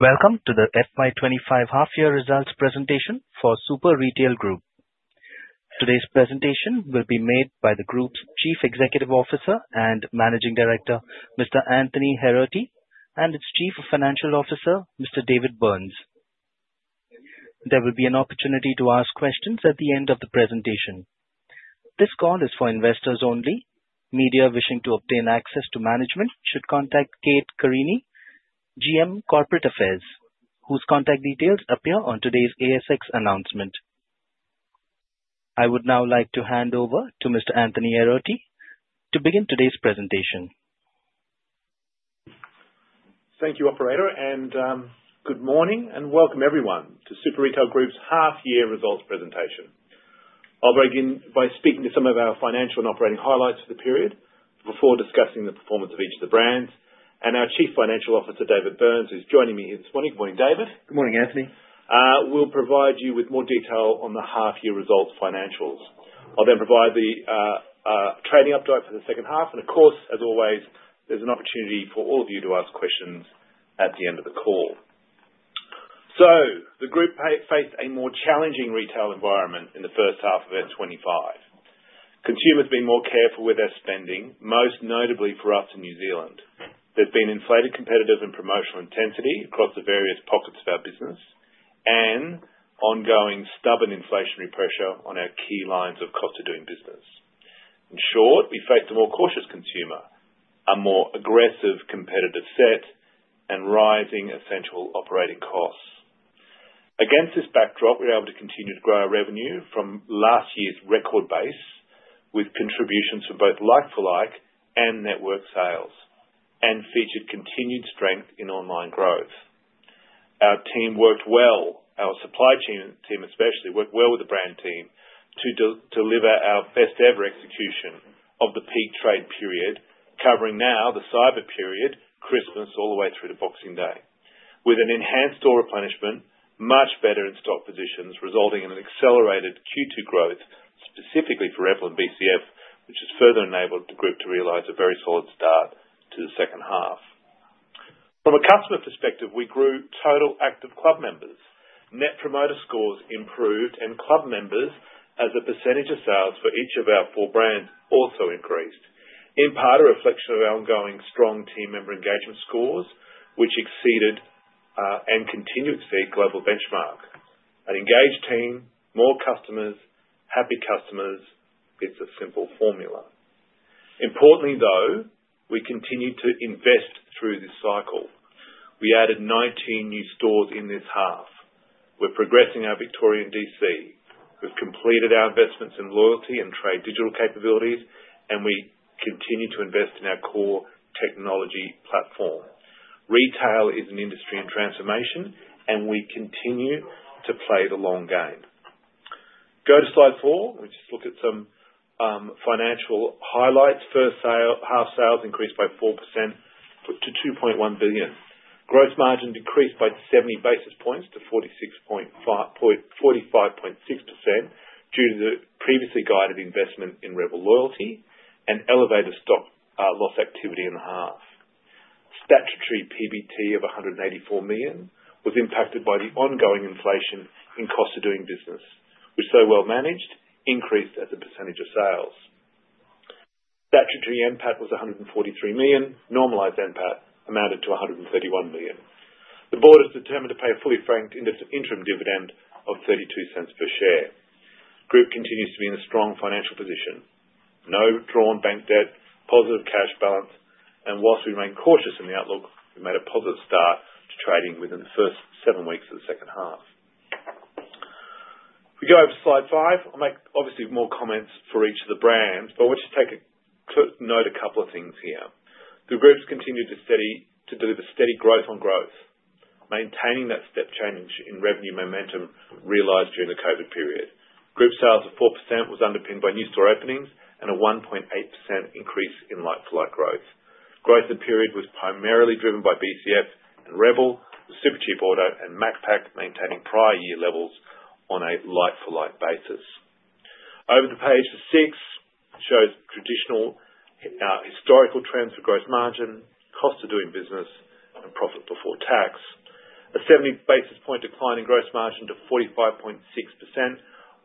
Welcome to the FY25 half-year results presentation for Super Retail Group. Today's presentation will be made by the group's Chief Executive Officer and Managing Director, Mr. Anthony Heraghty, and its Chief Financial Officer, Mr. David Burns. There will be an opportunity to ask questions at the end of the presentation. This call is for investors only. Media wishing to obtain access to management should contact Kate Carini, GM Corporate Affairs, whose contact details appear on today's ASX announcement. I would now like to hand over to Mr. Anthony Heraghty to begin today's presentation. Thank you, Operator. Good morning, and welcome everyone to Super Retail Group's half-year results presentation. I'll begin by speaking to some of our financial and operating highlights for the period before discussing the performance of each of the brands. Our Chief Financial Officer, David Burns, is joining me here this morning. Good morning, David. Good morning, Anthony. We'll provide you with more detail on the half-year results financials. I'll then provide the trading update for the second half, and of course, as always, there's an opportunity for all of you to ask questions at the end of the call, so the group faced a more challenging retail environment in the first half of F25. Consumers have been more careful with their spending, most notably for us in New Zealand. There's been intensified competitive and promotional intensity across the various pockets of our business and ongoing stubborn inflationary pressure on our key lines of cost of doing business. In short, we faced a more cautious consumer, a more aggressive competitive set, and rising essential operating costs. Against this backdrop, we were able to continue to grow our revenue from last year's record base, with contributions from both like-for-like and network sales, and featured continued strength in online growth. Our team worked well, our supply team especially, worked well with the brand team to deliver our best-ever execution of the peak trade period, covering now the cyber period, Christmas, all the way through to Boxing Day, with an enhanced store replenishment, much better in stock positions, resulting in an accelerated Q2 growth specifically for Rebel and BCF, which has further enabled the group to realize a very solid start to the second half. From a customer perspective, we grew total active club members. Net promoter scores improved, and club members as a percentage of sales for each of our four brands also increased, in part a reflection of our ongoing strong team member engagement scores, which exceeded and continue to exceed global benchmark. An engaged team, more customers, happy customers. It's a simple formula. Importantly, though, we continued to invest through this cycle. We added 19 new stores in this half. We're progressing our Victorian DC. We've completed our investments in loyalty and trade digital capabilities, and we continue to invest in our core technology platform. Retail is an industry in transformation, and we continue to play the long game. Go to slide four. We'll just look at some financial highlights. First half, sales increased by 4% to $2.1 billion. Gross margin decreased by 70 basis points to 45.6% due to the previously guided investment in Rebel loyalty and elevated stock loss activity in the half. Statutory PBT of $184 million was impacted by the ongoing inflation in cost of doing business, which, so well managed, increased as a percentage of sales. Statutory NPAT was $143 million. Normalized NPAT amounted to $131 million. The board is determined to pay a fully franked interim dividend of $0.32 per share. The group continues to be in a strong financial position. No drawn bank debt, positive cash balance. While we remain cautious in the outlook, we made a positive start to trading within the first seven weeks of the second half. If we go over to slide five, I'll make obviously more comments for each of the brands, but I want to take a quick note of a couple of things here. The group's continued to deliver steady growth on growth, maintaining that step change in revenue momentum realized during the COVID period. Group sales of 4% was underpinned by new store openings and a 1.8% increase in like-for-like growth. Growth in the period was primarily driven by BCF and Rebel, Supercheap Auto, and Macpac, maintaining prior year levels on a like-for-like basis. Over to page six, it shows traditional historical trends for gross margin, cost of doing business, and profit before tax. A 70 basis points decline in gross margin to 45.6%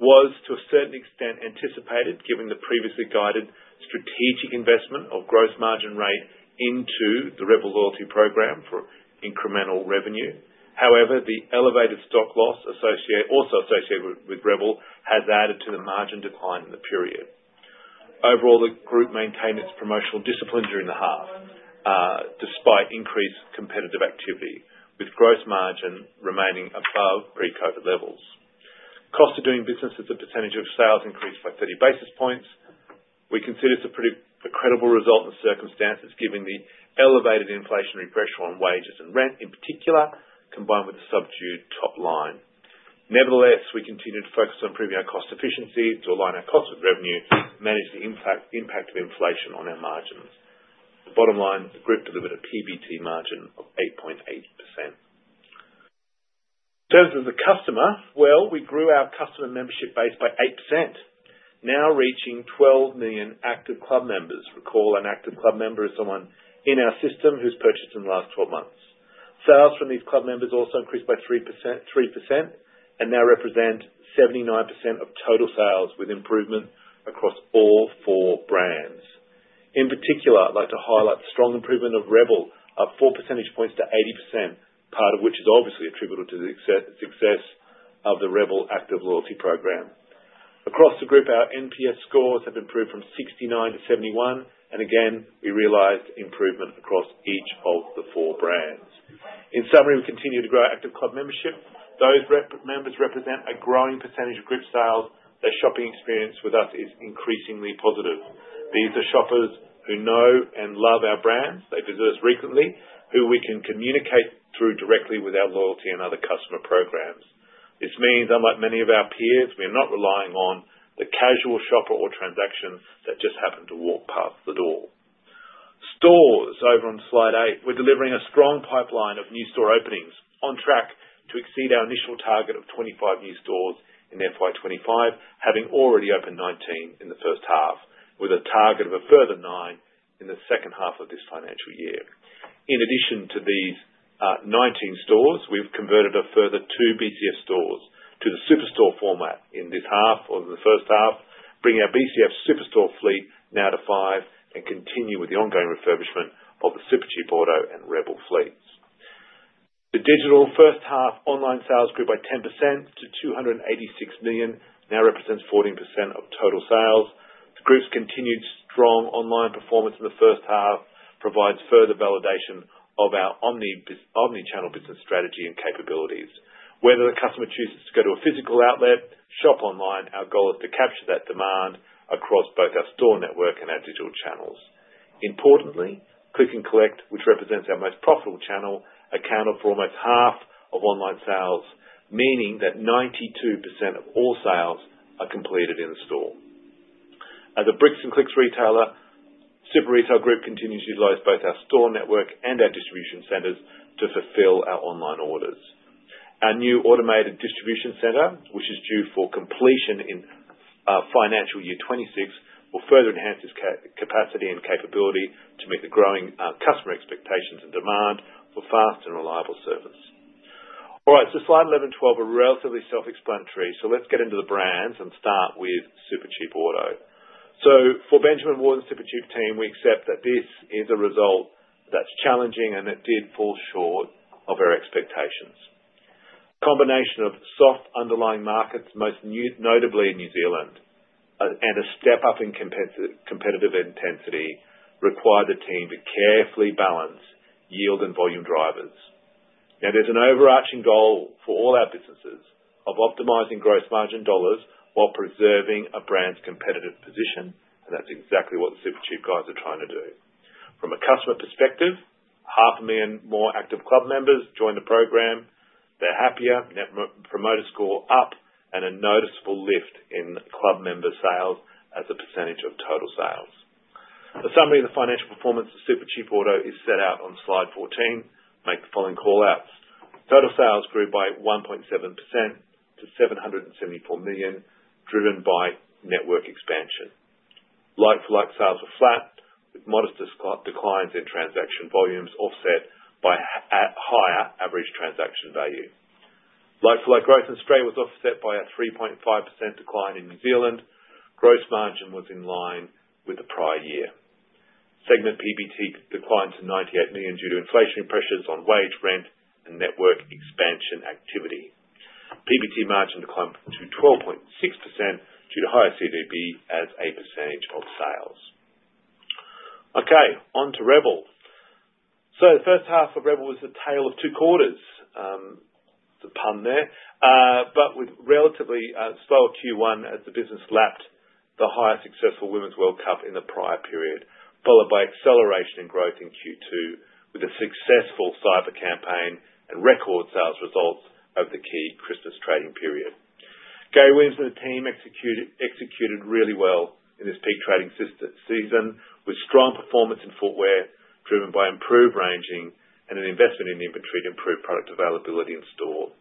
was, to a certain extent, anticipated given the previously guided strategic investment of gross margin rate into the Rebel loyalty program for incremental revenue. However, the elevated stock loss also associated with Rebel has added to the margin decline in the period. Overall, the group maintained its promotional discipline during the half despite increased competitive activity, with gross margin remaining above pre-COVID levels. Cost of Doing Business as a percentage of sales increased by 30 basis points. We consider this a pretty credible result in the circumstances, given the elevated inflationary pressure on wages and rent in particular, combined with the subdued top line. Nevertheless, we continue to focus on improving our cost efficiency to align our cost with revenue and manage the impact of inflation on our margins. The bottom line, the group delivered a PBT margin of 8.8%. In terms of the customer, well, we grew our customer membership base by 8%, now reaching 12 million active club members. Recall an active club member is someone in our system who's purchased in the last 12 months. Sales from these club members also increased by 3% and now represent 79% of total sales, with improvement across all four brands. In particular, I'd like to highlight the strong improvement of Rebel up 4 percentage points to 80%, part of which is obviously attributable to the success of the Rebel Active loyalty program. Across the group, our NPS scores have improved from 69 to 71. And again, we realized improvement across each of the four brands. In summary, we continue to grow active club membership. Those members represent a growing percentage of group sales. Their shopping experience with us is increasingly positive. These are shoppers who know and love our brands. They visit us frequently, who we can communicate through directly with our loyalty and other customer programs. This means, unlike many of our peers, we are not relying on the casual shopper or transaction that just happened to walk past the door. Stores, over on slide eight, we're delivering a strong pipeline of new store openings, on track to exceed our initial target of 25 new stores in FY25, having already opened 19 in the first half, with a target of a further nine in the second half of this financial year. In addition to these 19 stores, we've converted a further two BCF stores to the superstore format in this half or the first half, bringing our BCF superstore fleet now to five and continue with the ongoing refurbishment of the Supercheap Auto and Rebel fleets. The digital first half online sales grew by 10% to $286 million, now represents 14% of total sales. The group's continued strong online performance in the first half provides further validation of our omnichannel business strategy and capabilities. Whether the customer chooses to go to a physical outlet, shop online, our goal is to capture that demand across both our store network and our digital channels. Importantly, Click and Collect, which represents our most profitable channel, accounted for almost half of online sales, meaning that 92% of all sales are completed in store. As a Bricks and Clicks retailer, Super Retail Group continues to utilize both our store network and our distribution centers to fulfill our online orders. Our new automated distribution center, which is due for completion in financial year 26, will further enhance its capacity and capability to meet the growing customer expectations and demand for fast and reliable service. All right, so slide 11 and 12 are relatively self-explanatory, so let's get into the brands and start with Supercheap Auto, so for Benjamin Ward and Supercheap Auto team, we accept that this is a result that's challenging and it did fall short of our expectations. A combination of soft underlying markets, most notably in New Zealand, and a step-up in competitive intensity required the team to carefully balance yield and volume drivers. Now, there's an overarching goal for all our businesses of optimizing gross margin dollars while preserving a brand's competitive position, and that's exactly what the Supercheap Auto guys are trying to do. From a customer perspective, 500,000 more active club members joined the program. They're happier, net promoter score up, and a noticeable lift in club member sales as a percentage of total sales. A summary of the financial performance of Supercheap Auto is set out on slide 14. Make the following callouts. Total sales grew by 1.7% to $774 million, driven by network expansion. Like-for-like sales were flat, with modest declines in transaction volumes offset by higher average transaction value. Like-for-like growth in Australia was offset by a 3.5% decline in New Zealand. Gross margin was in line with the prior year. Segment PBT declined to $98 million due to inflationary pressures on wage, rent, and network expansion activity. PBT margin declined to 12.6% due to higher CODB as a percentage of sales. Okay, on to Rebel. The first half of Rebel was a tale of two quarters, the pun there, but with relatively slower Q1 as the business lapped the highest successful Women's World Cup in the prior period, followed by acceleration in growth in Q2 with a successful cyber campaign and record sales results over the key Christmas trading period. Gary Williams and the team executed really well in this peak trading season, with strong performance in footwear driven by improved ranging and an investment in inventory to improve product availability in store.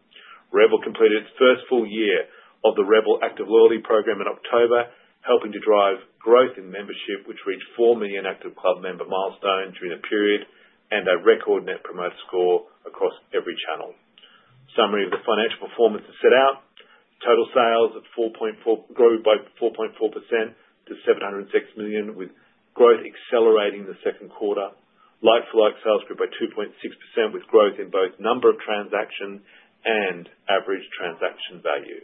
Rebel completed its first full year of the Rebel Active loyalty program in October, helping to drive growth in membership, which reached 4 million Active Club Member milestones during the period and a record Net Promoter Score across every channel. Summary of the financial performance is set out. Total sales grew by 4.4% to $706 million, with growth accelerating in the second quarter. Like-for-like sales grew by 2.6%, with growth in both number of transactions and average transaction value.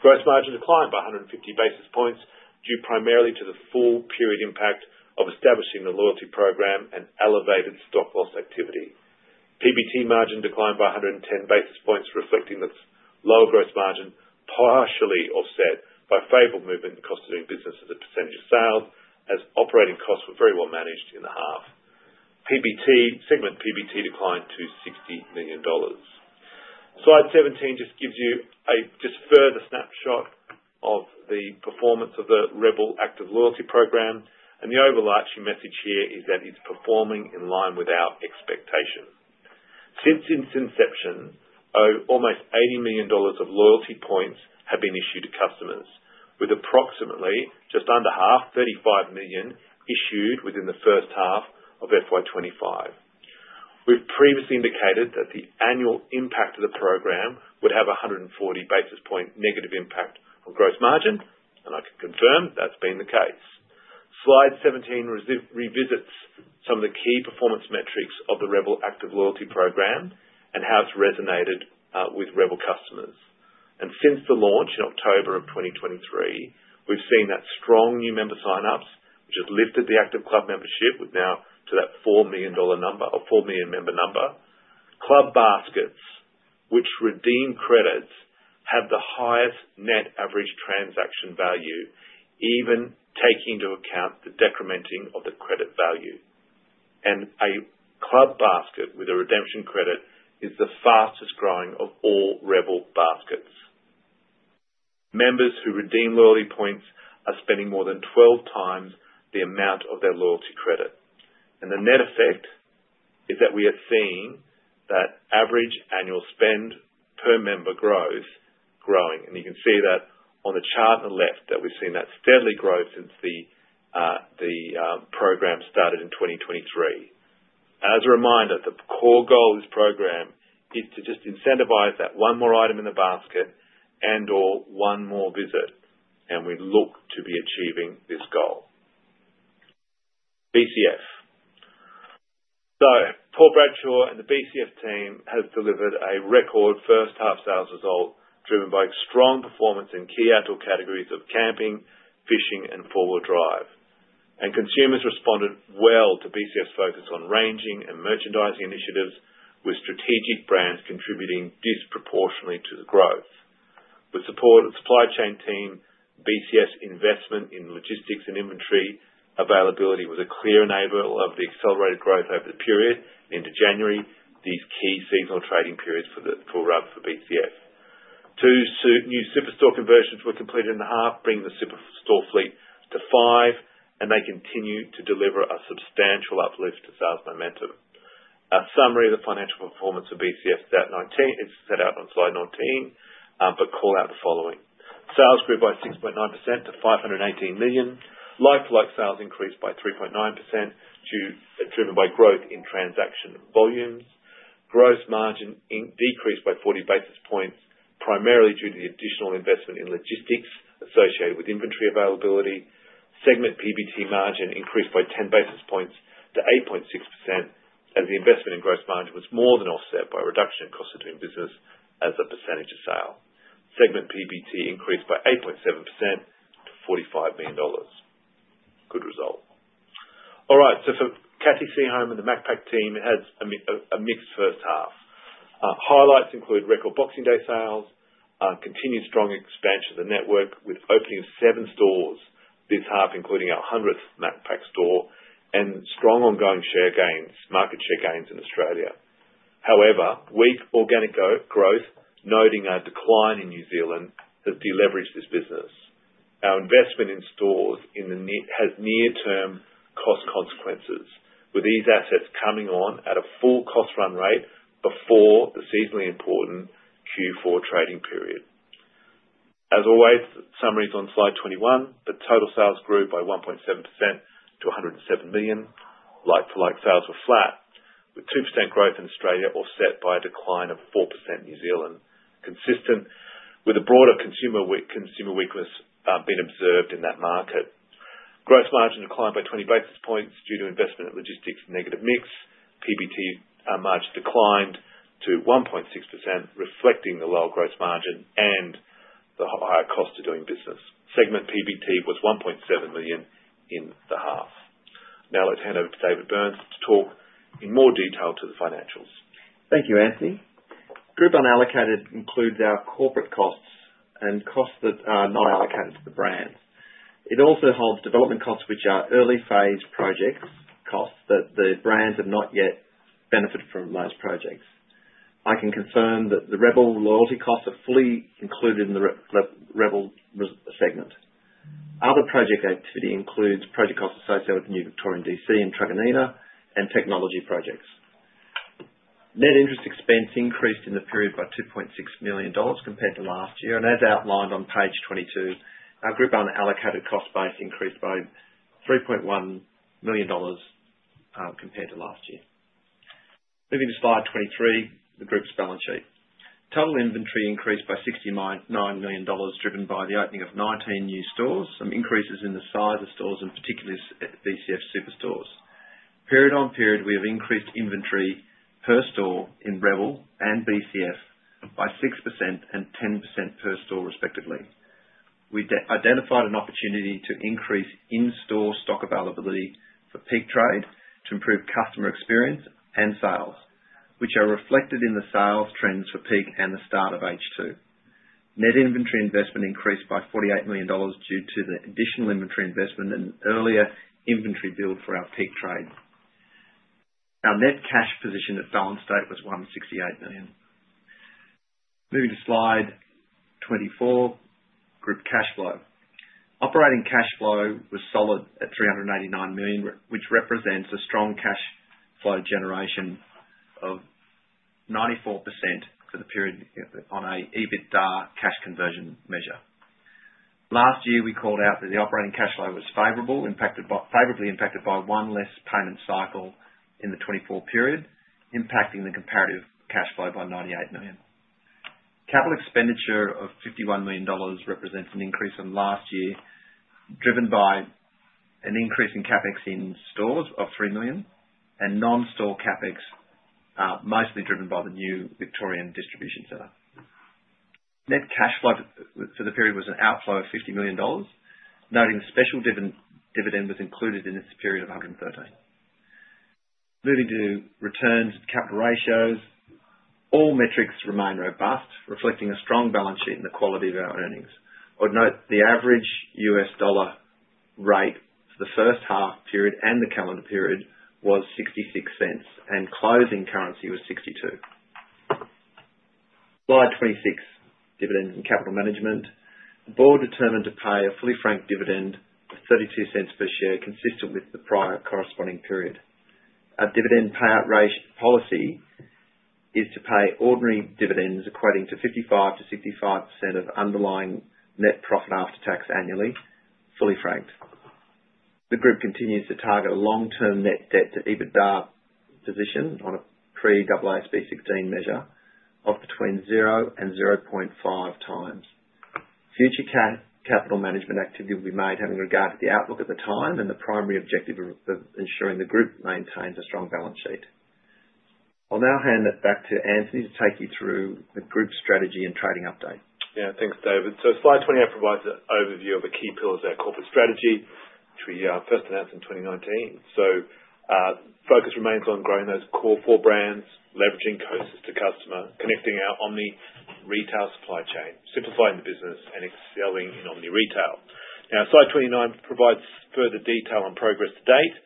Gross margin declined by 150 basis points due primarily to the full period impact of establishing the loyalty program and elevated stock loss activity. PBT margin declined by 110 basis points, reflecting the lower gross margin partially offset by favorable movement in cost of doing business as a percentage of sales, as operating costs were very well managed in the half. Segment PBT declined to $60 million. Slide 17 just gives you a further snapshot of the performance of the Rebel Active loyalty program. The overarching message here is that it's performing in line with our expectations. Since its inception, almost $80 million of loyalty points have been issued to customers, with approximately just under half, 35 million, issued within the first half of FY25. We've previously indicated that the annual impact of the program would have a 140 basis point negative impact on gross margin, and I can confirm that's been the case. Slide 17 revisits some of the key performance metrics of the Rebel Active loyalty program and how it's resonated with Rebel customers. Since the launch in October of 2023, we've seen that strong new member sign-ups, which has lifted the active club membership, with now to that 4 million number, a 4 million member number. Club baskets, which redeem credits, have the highest net average transaction value, even taking into account the decrementing of the credit value. And a club basket with a redemption credit is the fastest growing of all Rebel baskets. Members who redeem loyalty points are spending more than 12 times the amount of their loyalty credit. And the net effect is that we are seeing that average annual spend per member growth growing. And you can see that on the chart on the left that we've seen steady growth since the program started in 2023. As a reminder, the core goal of this program is to just incentivize that one more item in the basket and/or one more visit. And we look to be achieving this goal. BCF. So Paul Bradshaw and the BCF team have delivered a record first-half sales result driven by strong performance in key outdoor categories of camping, fishing, and four-wheel drive. Consumers responded well to BCF's focus on ranging and merchandising initiatives, with strategic brands contributing disproportionately to the growth. With support of the supply chain team, BCF's investment in logistics and inventory availability was a clear enabler of the accelerated growth over the period into January. These key seasonal trading periods for BCF. Two new superstore conversions were completed in the half, bringing the superstore fleet to five, and they continue to deliver a substantial uplift to sales momentum. A summary of the financial performance of BCF is set out on slide 19, but call out the following. Sales grew by 6.9% to $518 million. Like-for-like sales increased by 3.9%, driven by growth in transaction volumes. Gross margin decreased by 40 basis points, primarily due to the additional investment in logistics associated with inventory availability. Segment PBT margin increased by 10 basis points to 8.6%, as the investment in gross margin was more than offset by reduction in cost of doing business as a percentage of sale. Segment PBT increased by 8.7% to $45 million. Good result. All right, so for Cathy Seaholme and the Macpac team, it has a mixed first half. Highlights include record Boxing Day sales, continued strong expansion of the network with opening of seven stores this half, including our 100th Macpac store, and strong ongoing market share gains in Australia. However, weak organic growth, noting our decline in New Zealand, has deleveraged this business. Our investment in stores has near-term cost consequences, with these assets coming on at a full cost run rate before the seasonally important Q4 trading period. As always, summaries on slide 21. The total sales grew by 1.7% to $107 million. Like-for-like sales were flat, with 2% growth in Australia offset by a decline of 4% in New Zealand, consistent with a broader consumer weakness being observed in that market. Gross margin declined by 20 basis points due to investment in logistics negative mix. PBT margin declined to 1.6%, reflecting the lower gross margin and the higher cost of doing business. Segment PBT was $1.7 million in the half. Now let's hand over to David Burns to talk in more detail to the financials. Thank you, Anthony. Group unallocated includes our corporate costs and costs that are not allocated to the brands. It also holds development costs, which are early-phase project costs that the brands have not yet benefited from those projects. I can confirm that the Rebel loyalty costs are fully included in the Rebel segment. Other project activity includes project costs associated with new Victorian DC and Truganina and technology projects. Net interest expense increased in the period by $2.6 million compared to last year. And as outlined on page 22, our group unallocated cost base increased by $3.1 million compared to last year. Moving to slide 23, the group's balance sheet. Total inventory increased by $69 million, driven by the opening of 19 new stores, some increases in the size of stores and particularly BCF superstores. Period on period, we have increased inventory per store in Rebel and BCF by 6% and 10% per store, respectively. We identified an opportunity to increase in-store stock availability for peak trade to improve customer experience and sales, which are reflected in the sales trends for peak and the start of H2. Net inventory investment increased by $48 million due to the additional inventory investment and earlier inventory build for our peak trade. Our net cash position at balance date was $168 million. Moving to slide 24, group cash flow. Operating cash flow was solid at $389 million, which represents a strong cash flow generation of 94% for the period on an EBITDA cash conversion measure. Last year, we called out that the operating cash flow was favorably impacted by one less payment cycle in the 24 period, impacting the comparative cash flow by $98 million. Capital expenditure of $51 million represents an increase from last year, driven by an increase in CapEx in stores of $3 million and non-store CapEx, mostly driven by the new Victorian distribution center. Net cash flow for the period was an outflow of $50 million, noting the special dividend was included in this period of $113. Moving to returns and capital ratios, all metrics remain robust, reflecting a strong balance sheet and the quality of our earnings. I would note the average US dollar rate for the first half period and the calendar period was $0.66, and closing currency was $0.62. Slide 26, dividend and capital management. The board determined to pay a fully franked dividend of $0.32 per share, consistent with the prior corresponding period. Our dividend payout rate policy is to pay ordinary dividends equating to 55%-65% of underlying net profit after tax annually, fully franked. The group continues to target a long-term net debt to EBITDA position on a pre-AASB 16 measure of between 0 and 0.5 times. Future capital management activity will be made having regard to the outlook at the time and the primary objective of ensuring the group maintains a strong balance sheet. I'll now hand it back to Anthony to take you through the group strategy and trading update. Yeah, thanks, David. So slide 28 provides an overview of the key pillars of our corporate strategy, which we first announced in 2019, so focus remains on growing those core four brands, leveraging closest to customer, connecting our omni retail supply chain, simplifying the business, and excelling in omni retail. Now, slide 29 provides further detail on progress to date,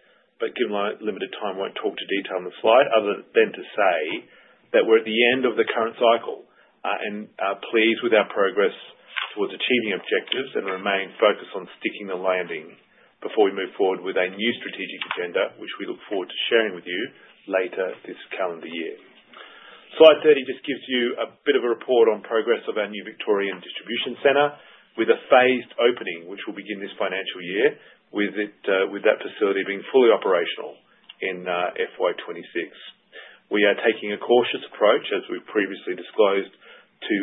but given limited time, I won't talk to detail on the slide other than to say that we're at the end of the current cycle and are pleased with our progress towards achieving objectives and remain focused on sticking the landing before we move forward with a new strategic agenda, which we look forward to sharing with you later this calendar year. Slide 30 just gives you a bit of a report on progress of our new Victorian distribution center, with a phased opening, which will begin this financial year, with that facility being fully operational in FY26. We are taking a cautious approach, as we've previously disclosed, to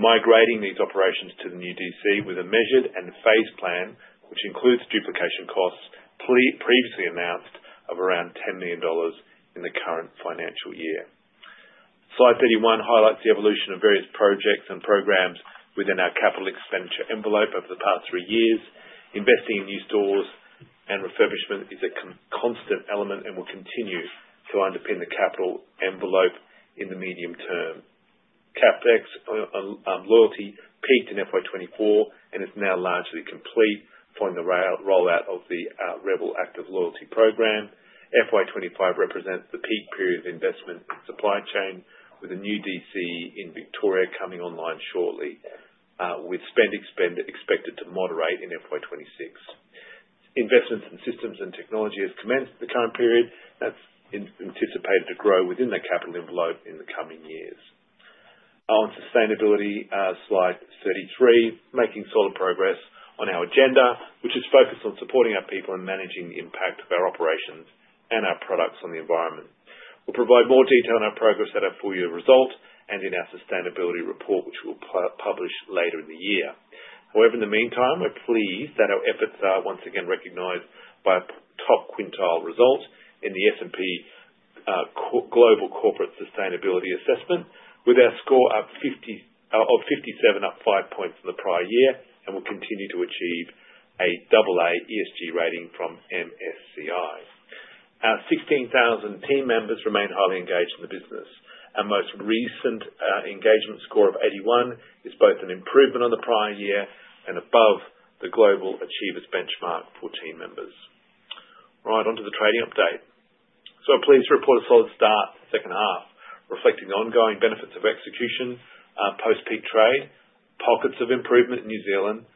migrating these operations to the new DC with a measured and phased plan, which includes duplication costs previously announced of around $10 million in the current financial year. Slide 31 highlights the evolution of various projects and programs within our capital expenditure envelope over the past three years. Investing in new stores and refurbishment is a constant element and will continue to underpin the capital envelope in the medium term. CapEx loyalty peaked in FY24 and is now largely complete following the rollout of the Rebel Active loyalty program. FY25 represents the peak period of investment in supply chain, with a new DC in Victoria coming online shortly, with spend expected to moderate in FY26. Investments in systems and technology have commenced in the current period, and that's anticipated to grow within the capital envelope in the coming years. On sustainability, slide 33. Making solid progress on our agenda, which is focused on supporting our people and managing the impact of our operations and our products on the environment. We'll provide more detail on our progress at our full-year result and in our sustainability report, which we'll publish later in the year. However, in the meantime, we're pleased that our efforts are once again recognized by a top quintile result in the S&P Global Corporate Sustainability Assessment, with our score of 57 up five points in the prior year, and we'll continue to achieve a double-A ESG rating from MSCI. Our 16,000 team members remain highly engaged in the business. Our most recent engagement score of 81 is both an improvement on the prior year and above the global achievers benchmark for team members. All right, onto the trading update. So I'm pleased to report a solid start to the second half, reflecting the ongoing benefits of execution post-peak trade, pockets of improvement in New Zealand.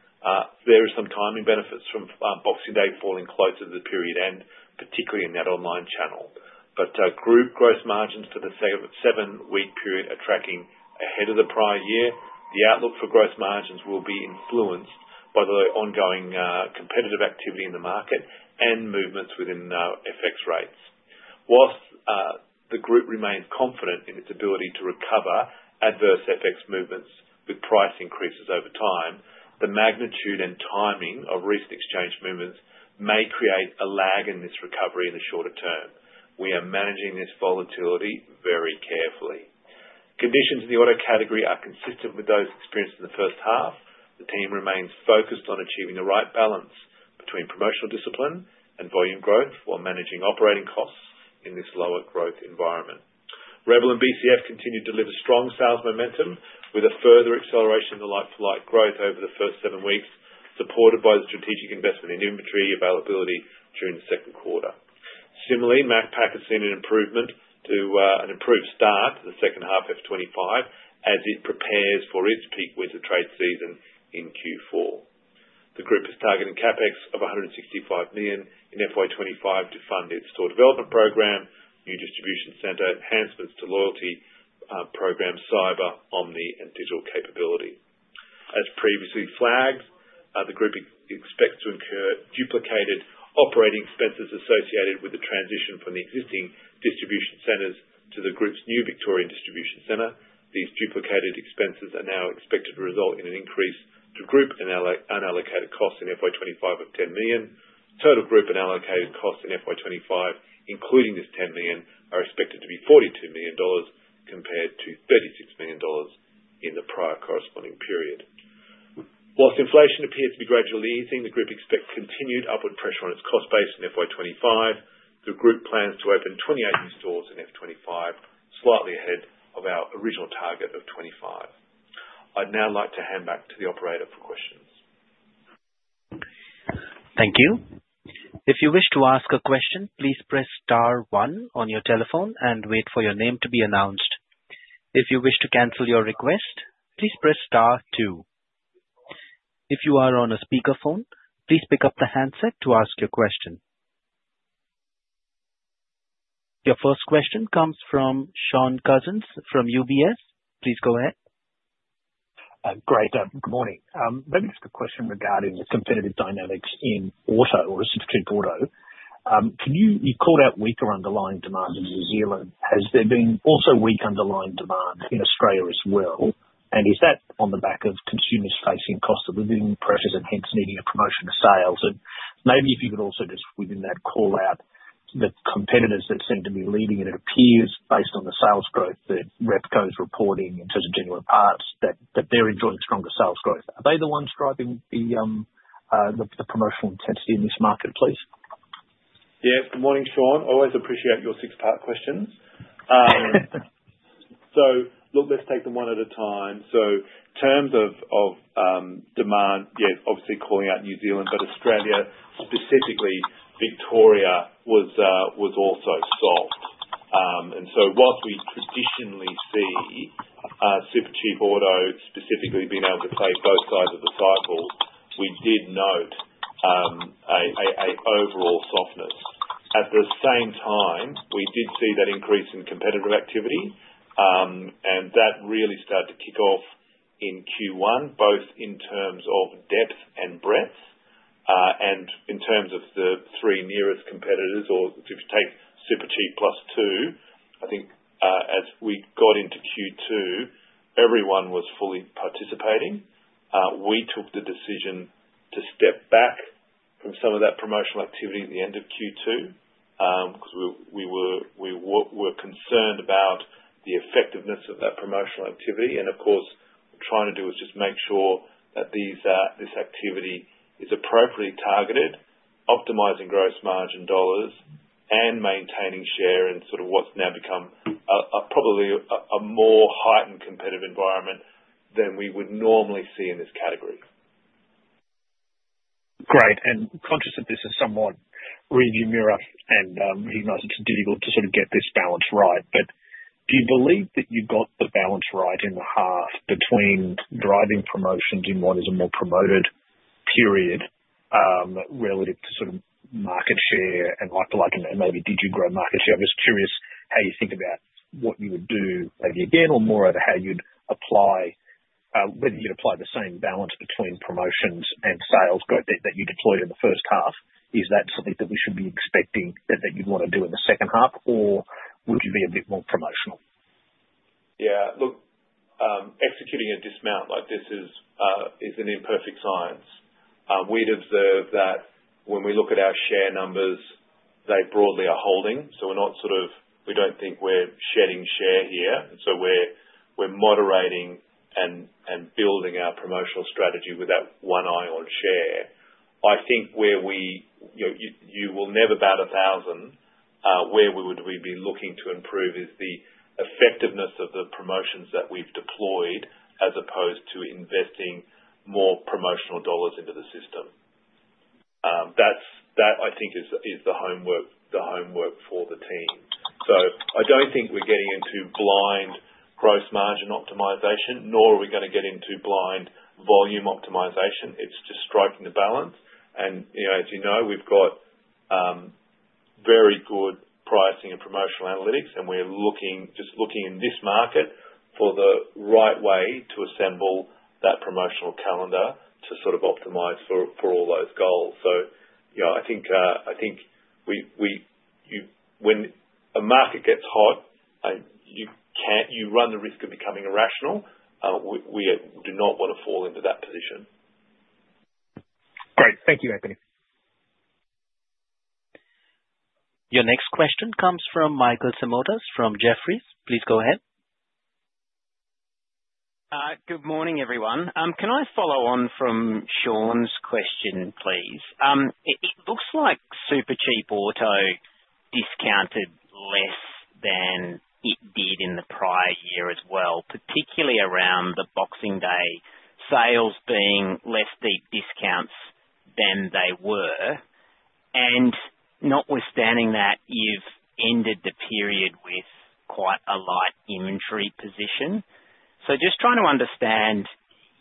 There are some timing benefits from Boxing Day falling closer to the period end, particularly in that online channel. But group gross margins for the seven-week period are tracking ahead of the prior year. The outlook for gross margins will be influenced by the ongoing competitive activity in the market and movements within FX rates. While the group remains confident in its ability to recover adverse FX movements with price increases over time, the magnitude and timing of recent exchange movements may create a lag in this recovery in the shorter term. We are managing this volatility very carefully. Conditions in the auto category are consistent with those experienced in the first half. The team remains focused on achieving the right balance between promotional discipline and volume growth while managing operating costs in this lower growth environment. Rebel and BCF continue to deliver strong sales momentum, with a further acceleration in the like-for-like growth over the first seven weeks, supported by the strategic investment in inventory availability during the second quarter. Similarly, Macpac has seen an improvement to an improved start to the second half of F25 as it prepares for its peak winter trade season in Q4. The group is targeting CapEx of $165 million in FY25 to fund its store development program, new distribution center enhancements to loyalty program, cyber, omni, and digital capability. As previously flagged, the group expects to incur duplicated operating expenses associated with the transition from the existing distribution centers to the group's new Victorian distribution center. These duplicated expenses are now expected to result in an increase to group and unallocated costs in FY25 of $10 million. Total group and allocated costs in FY25, including this $10 million, are expected to be $42 million compared to $36 million in the prior corresponding period. While inflation appears to be gradually easing, the group expects continued upward pressure on its cost base in FY25. The group plans to open 28 new stores in F25, slightly ahead of our original target of 25. I'd now like to hand back to the operator for questions. Thank you. If you wish to ask a question, please press star one on your telephone and wait for your name to be announced. If you wish to cancel your request, please press star two. If you are on a speakerphone, please pick up the handset to ask your question. Your first question comes from Shaun Cousins from UBS. Please go ahead. Great. Good morning. Maybe just a question regarding the competitive dynamics in auto or Supercheap Auto. You called out weaker underlying demand in New Zealand. Has there been also weaker underlying demand in Australia as well? And is that on the back of consumers facing cost of living pressures and hence needing a promotion of sales? And maybe if you could also just, within that callout, the competitors that seem to be leading, and it appears based on the sales growth that Repco is reporting in terms of Genuine Parts, that they're enjoying stronger sales growth. Are they the ones driving the promotional intensity in this market, please? Yeah. Good morning, Shaun. I always appreciate your six-part questions. So look, let's take them one at a time. So in terms of demand, yeah, obviously calling out New Zealand, but Australia specifically, Victoria was also soft. And so whilst we traditionally see Supercheap Auto specifically being able to play both sides of the cycle, we did note an overall softness. At the same time, we did see that increase in competitive activity, and that really started to kick off in Q1, both in terms of depth and breadth, and in terms of the three nearest competitors. Or if you take Supercheap plus two, I think as we got into Q2, everyone was fully participating. We took the decision to step back from some of that promotional activity at the end of Q2 because we were concerned about the effectiveness of that promotional activity. And of course, what we're trying to do is just make sure that this activity is appropriately targeted, optimizing gross margin dollars and maintaining share in sort of what's now become probably a more heightened competitive environment than we would normally see in this category. Great. And conscious that this is somewhat rearview mirror and you know it's difficult to sort of get this balance right, but do you believe that you got the balance right in the half between driving promotions in what is a more promoted period relative to sort of market share and like-for-like and maybe did you grow market share? I'm just curious how you think about what you would do maybe again or more of how you'd apply whether you'd apply the same balance between promotions and sales that you deployed in the first half. Is that something that we should be expecting that you'd want to do in the second half, or would you be a bit more promotional? Yeah. Look, executing a dismount like this is an imperfect science. We'd observe that when we look at our share numbers, they broadly are holding. We don't think we're shedding share here. We're moderating and building our promotional strategy with that one eye on share. I think you will never bat a thousand. Where we would be looking to improve is the effectiveness of the promotions that we've deployed as opposed to investing more promotional dollars into the system. That, I think, is the homework for the team. I don't think we're getting into blind gross margin optimization, nor are we going to get into blind volume optimization. It's just striking the balance. As you know, we've got very good pricing and promotional analytics, and we're just looking in this market for the right way to assemble that promotional calendar to sort of optimize for all those goals. I think when a market gets hot, you run the risk of becoming irrational. We do not want to fall into that position. Great. Thank you, Anthony. Your next question comes from Michael Simotas from Jefferies. Please go ahead. Good morning, everyone. Can I follow on from Shaun's question, please? It looks like Supercheap Auto discounted less than it did in the prior year as well, particularly around the Boxing Day sales being less deep discounts than they were. And notwithstanding that, you've ended the period with quite a light inventory position. So just trying to understand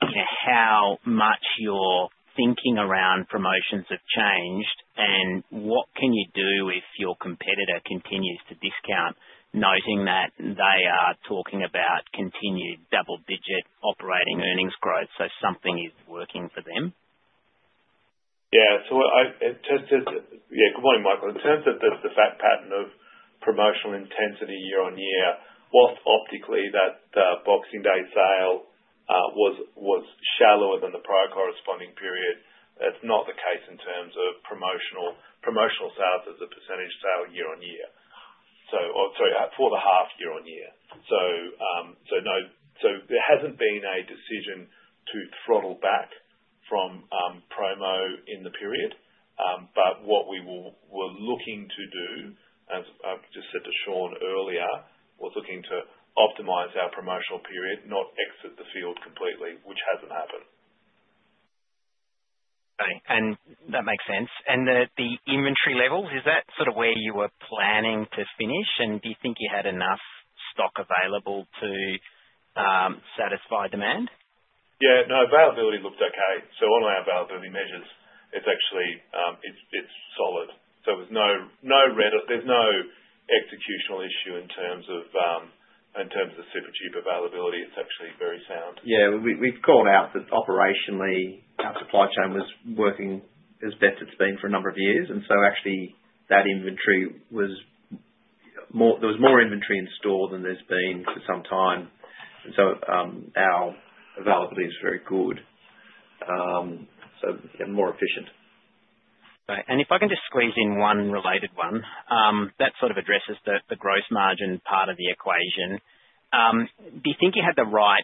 how much your thinking around promotions have changed and what can you do if your competitor continues to discount, noting that they are talking about continued double-digit operating earnings growth, so something is working for them. Yeah. So in terms of yeah, good morning, Michael. In terms of the fact pattern of promotional intensity year on year, while optically that Boxing Day sale was shallower than the prior corresponding period, that's not the case in terms of promotional sales as a percentage sale year on year. So sorry, for the half year on year. So no, so there hasn't been a decision to throttle back from promo in the period. But what we were looking to do, as I've just said to Shaun earlier, was looking to optimize our promotional period, not exit the field completely, which hasn't happened. Okay. And that makes sense. And the inventory levels, is that sort of where you were planning to finish? And do you think you had enough stock available to satisfy demand? Yeah. No, availability looked okay. So on our availability measures, it's actually solid. So there's no executional issue in terms of Supercheap availability. It's actually very sound. Yeah. We've called out that operationally, our supply chain was working as best it's been for a number of years. And so actually, that inventory was there, was more inventory in store than there's been for some time. And so our availability is very good. So more efficient. Right. And if I can just squeeze in one related one, that sort of addresses the gross margin part of the equation. Do you think you had the right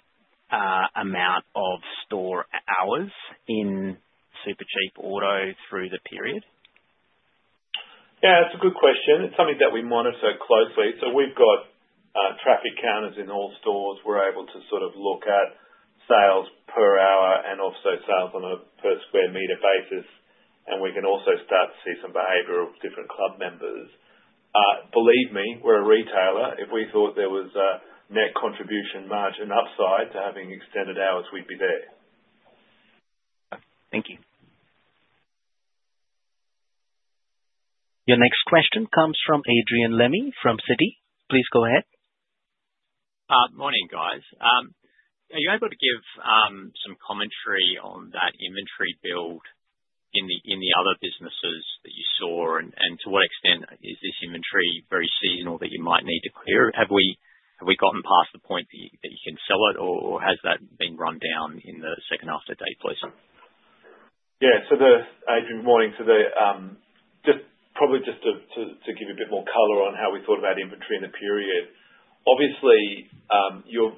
amount of store hours in Supercheap Auto through the period? Yeah. That's a good question. It's something that we monitor closely. So we've got traffic counters in all stores. We're able to sort of look at sales per hour and also sales on a per square meter basis. And we can also start to see some behavior of different club members. Believe me, we're a retailer. If we thought there was a net contribution margin upside to having extended hours, we'd be there. Thank you. Your next question comes from Adrian Lemme from Citi. Please go ahead. Good morning, guys. Are you able to give some commentary on that inventory build in the other businesses that you saw, and to what extent is this inventory very seasonal that you might need to clear? Have we gotten past the point that you can sell it, or has that been run down in the second half of the day, please? Yeah. So good morning. So just probably to give you a bit more color on how we thought about inventory in the period, obviously,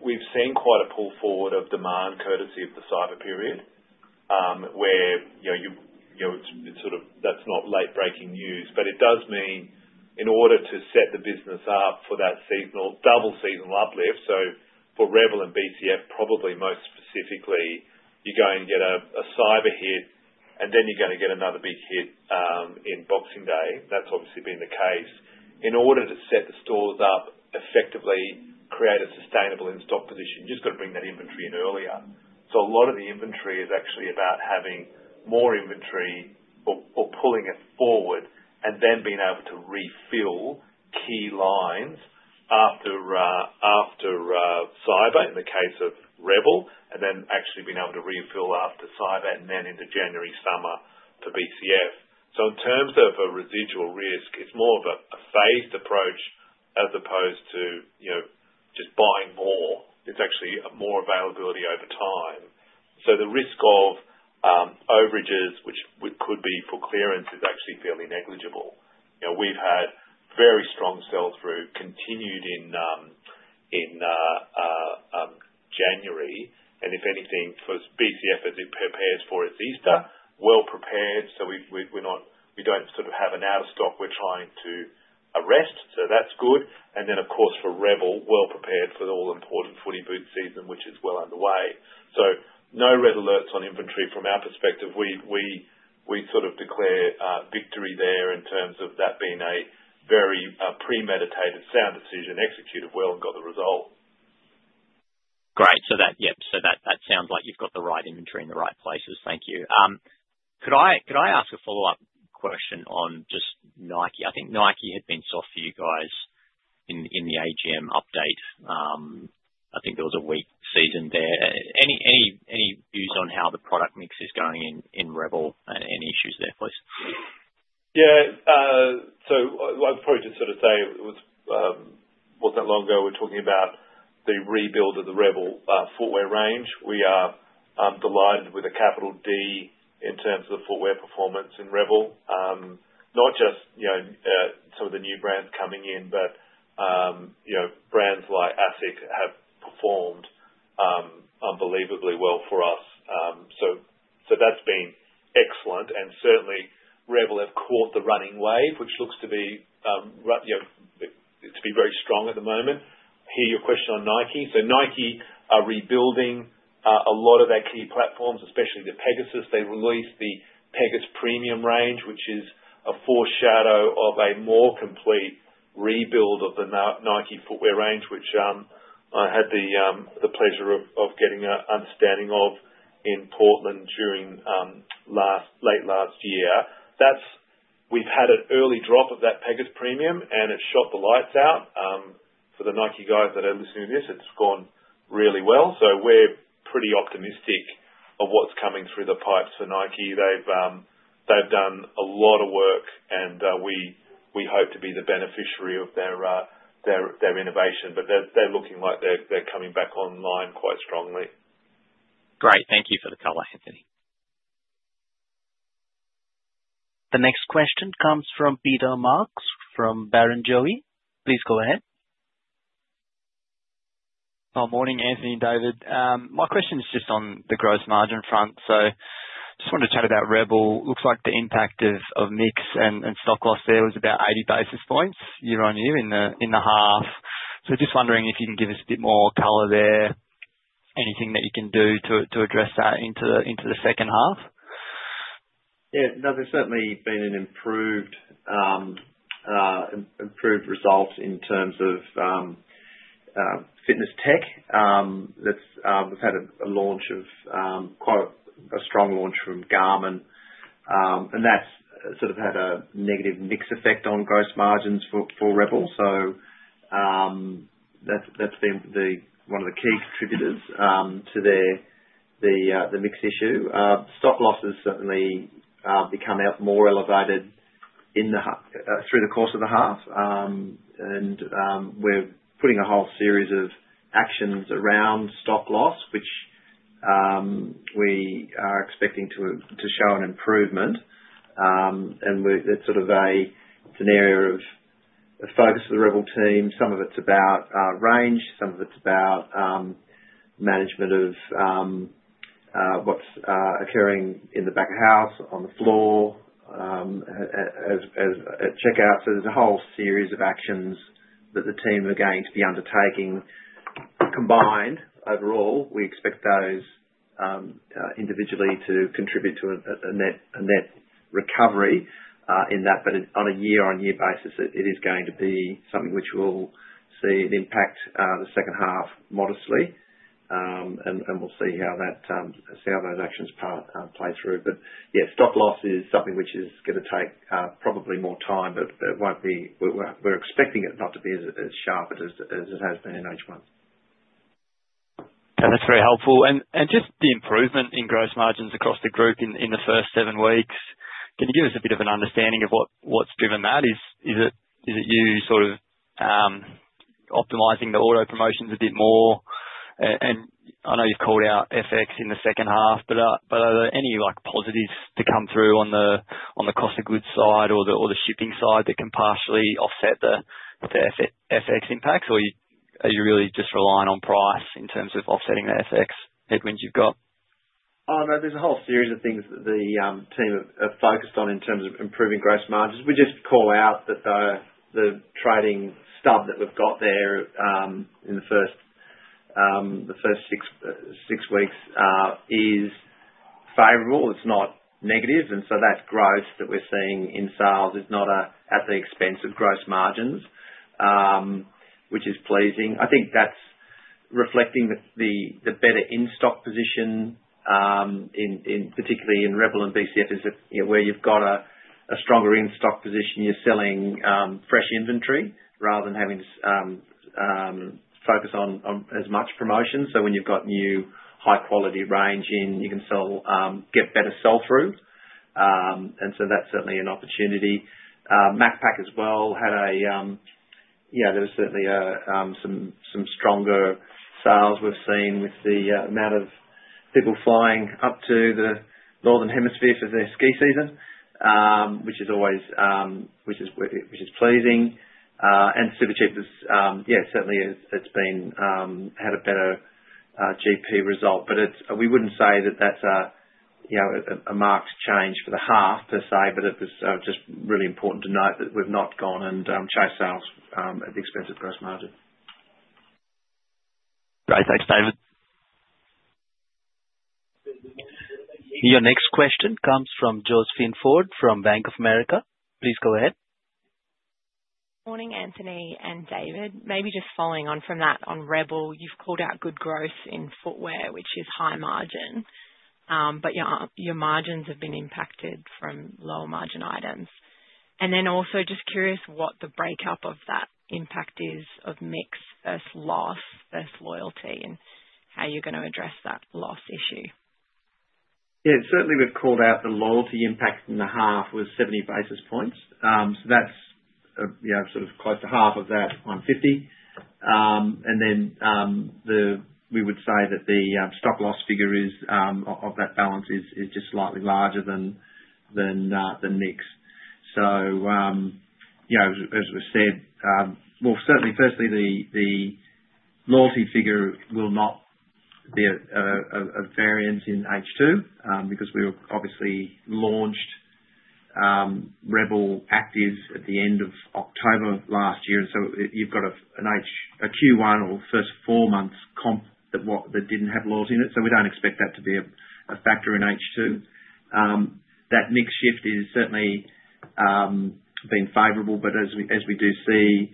we've seen quite a pull forward of demand courtesy of the cyber period where it's sort of that's not late-breaking news, but it does mean in order to set the business up for that double seasonal uplift. So for Rebel and BCF, probably most specifically, you're going to get a cyber hit, and then you're going to get another big hit in Boxing Day. That's obviously been the case. In order to set the stores up effectively, create a sustainable in-stock position, you just got to bring that inventory in earlier. A lot of the inventory is actually about having more inventory or pulling it forward and then being able to refill key lines after Cyber in the case of Rebel, and then actually being able to refill after Cyber and then into January, summer for BCF. In terms of a residual risk, it's more of a phased approach as opposed to just buying more. It's actually more availability over time. The risk of overages, which could be for clearance, is actually fairly negligible. We've had very strong sales through continued in January. If anything, for BCF, as it prepares for its Easter, well prepared. We don't sort of have an out-of-stock. We're trying to restock. That's good. Of course, for Rebel, well prepared for the all-important footy boot season, which is well underway. So no red alerts on inventory from our perspective. We sort of declare victory there in terms of that being a very premeditated, sound decision, executed well, and got the result. Great. So yeah, so that sounds like you've got the right inventory in the right places. Thank you. Could I ask a follow-up question on just Nike? I think Nike had been soft for you guys in the AGM update. I think there was a weak season there. Any views on how the product mix is going in Rebel and any issues there, please? Yeah. So I'd probably just sort of say it wasn't that long ago we were talking about the rebuild of the Rebel footwear range. We are delighted with a capital D in terms of the footwear performance in Rebel. Not just some of the new brands coming in, but brands like Asics have performed unbelievably well for us. So that's been excellent. And certainly, Rebel have caught the running wave, which looks to be very strong at the moment. Hear your question on Nike. So Nike are rebuilding a lot of their key platforms, especially the Pegasus. They released the Pegasus Premium range, which is a foreshadow of a more complete rebuild of the Nike footwear range, which I had the pleasure of getting an understanding of in Portland during late last year. We've had an early drop of that Pegasus Premium, and it shot the lights out. For the Nike guys that are listening to this, it's gone really well. So we're pretty optimistic of what's coming through the pipes for Nike. They've done a lot of work, and we hope to be the beneficiary of their innovation. But they're looking like they're coming back online quite strongly. Great. Thank you for the color, Anthony. The next question comes from Peter Marks from Barrenjoey. Please go ahead. Morning, Anthony, David. My question is just on the gross margin front. So just wanted to chat about Rebel. Looks like the impact of mix and stock loss there was about 80 basis points year on year in the half. So just wondering if you can give us a bit more color there, anything that you can do to address that into the second half. Yeah. No, there's certainly been an improved result in terms of fitness tech. We've had a quite strong launch from Garmin, and that's sort of had a negative mix effect on gross margins for Rebel. So that's been one of the key contributors to the mix issue. Stock losses certainly become more elevated through the course of the half. And we're putting a whole series of actions around stock loss, which we are expecting to show an improvement. And it's sort of a scenario of the focus of the Rebel team. Some of it's about range. Some of it's about management of what's occurring in the back of house, on the floor, at checkouts. So there's a whole series of actions that the team are going to be undertaking combined. Overall, we expect those individually to contribute to a net recovery in that. But on a year-on-year basis, it is going to be something which we'll see an impact the second half modestly. And we'll see how those actions play through. But yeah, stock loss is something which is going to take probably more time, but we're expecting it not to be as sharp as it has been in H1. And that's very helpful. And just the improvement in gross margins across the group in the first seven weeks, can you give us a bit of an understanding of what's driven that? Is it you sort of optimizing the auto promotions a bit more? And I know you've called out FX in the second half, but are there any positives to come through on the cost of goods side or the shipping side that can partially offset the FX impacts? Or are you really just relying on price in terms of offsetting the FX headwinds you've got? Oh, no. There's a whole series of things that the team have focused on in terms of improving gross margins. We just call out that the trading stub that we've got there in the first six weeks is favorable. It's not negative. And so that growth that we're seeing in sales is not at the expense of gross margins, which is pleasing. I think that's reflecting the better in-stock position, particularly in Rebel and BCF, that is where you've got a stronger in-stock position, you're selling fresh inventory rather than having to focus on as much promotion. So when you've got new high-quality range in, you can get better sell-through. And so that's certainly an opportunity. Macpac as well had a yeah, there was certainly some stronger sales we've seen with the amount of people flying up to the northern hemisphere for their ski season, which is always pleasing. And Supercheap, yeah, certainly has had a better GP result. But we wouldn't say that that's a marked change for the half, per se, but it was just really important to note that we've not gone and chased sales at the expense of gross margin. Great. Thanks, David. Your next question comes from Josephine Forde from Bank of America. Please go ahead. Morning, Anthony and David. Maybe just following on from that on Rebel, you've called out good growth in footwear, which is high margin, but your margins have been impacted from lower margin items. And then also just curious what the breakdown of that impact is of mix versus loss versus loyalty and how you're going to address that loss issue. Yeah. Certainly, we've called out the loyalty impact in the half was 70 basis points. So that's sort of close to half of that on 50. Then we would say that the stock loss figure of that balance is just slightly larger than mix. So as we've said, well, certainly, firstly, the loyalty figure will not be a variance in H2 because we obviously launched Rebel Active at the end of October last year. And so you've got a Q1 or first four months comp that didn't have loyalty in it. So we don't expect that to be a factor in H2. That mix shift is certainly been favorable, but as we do see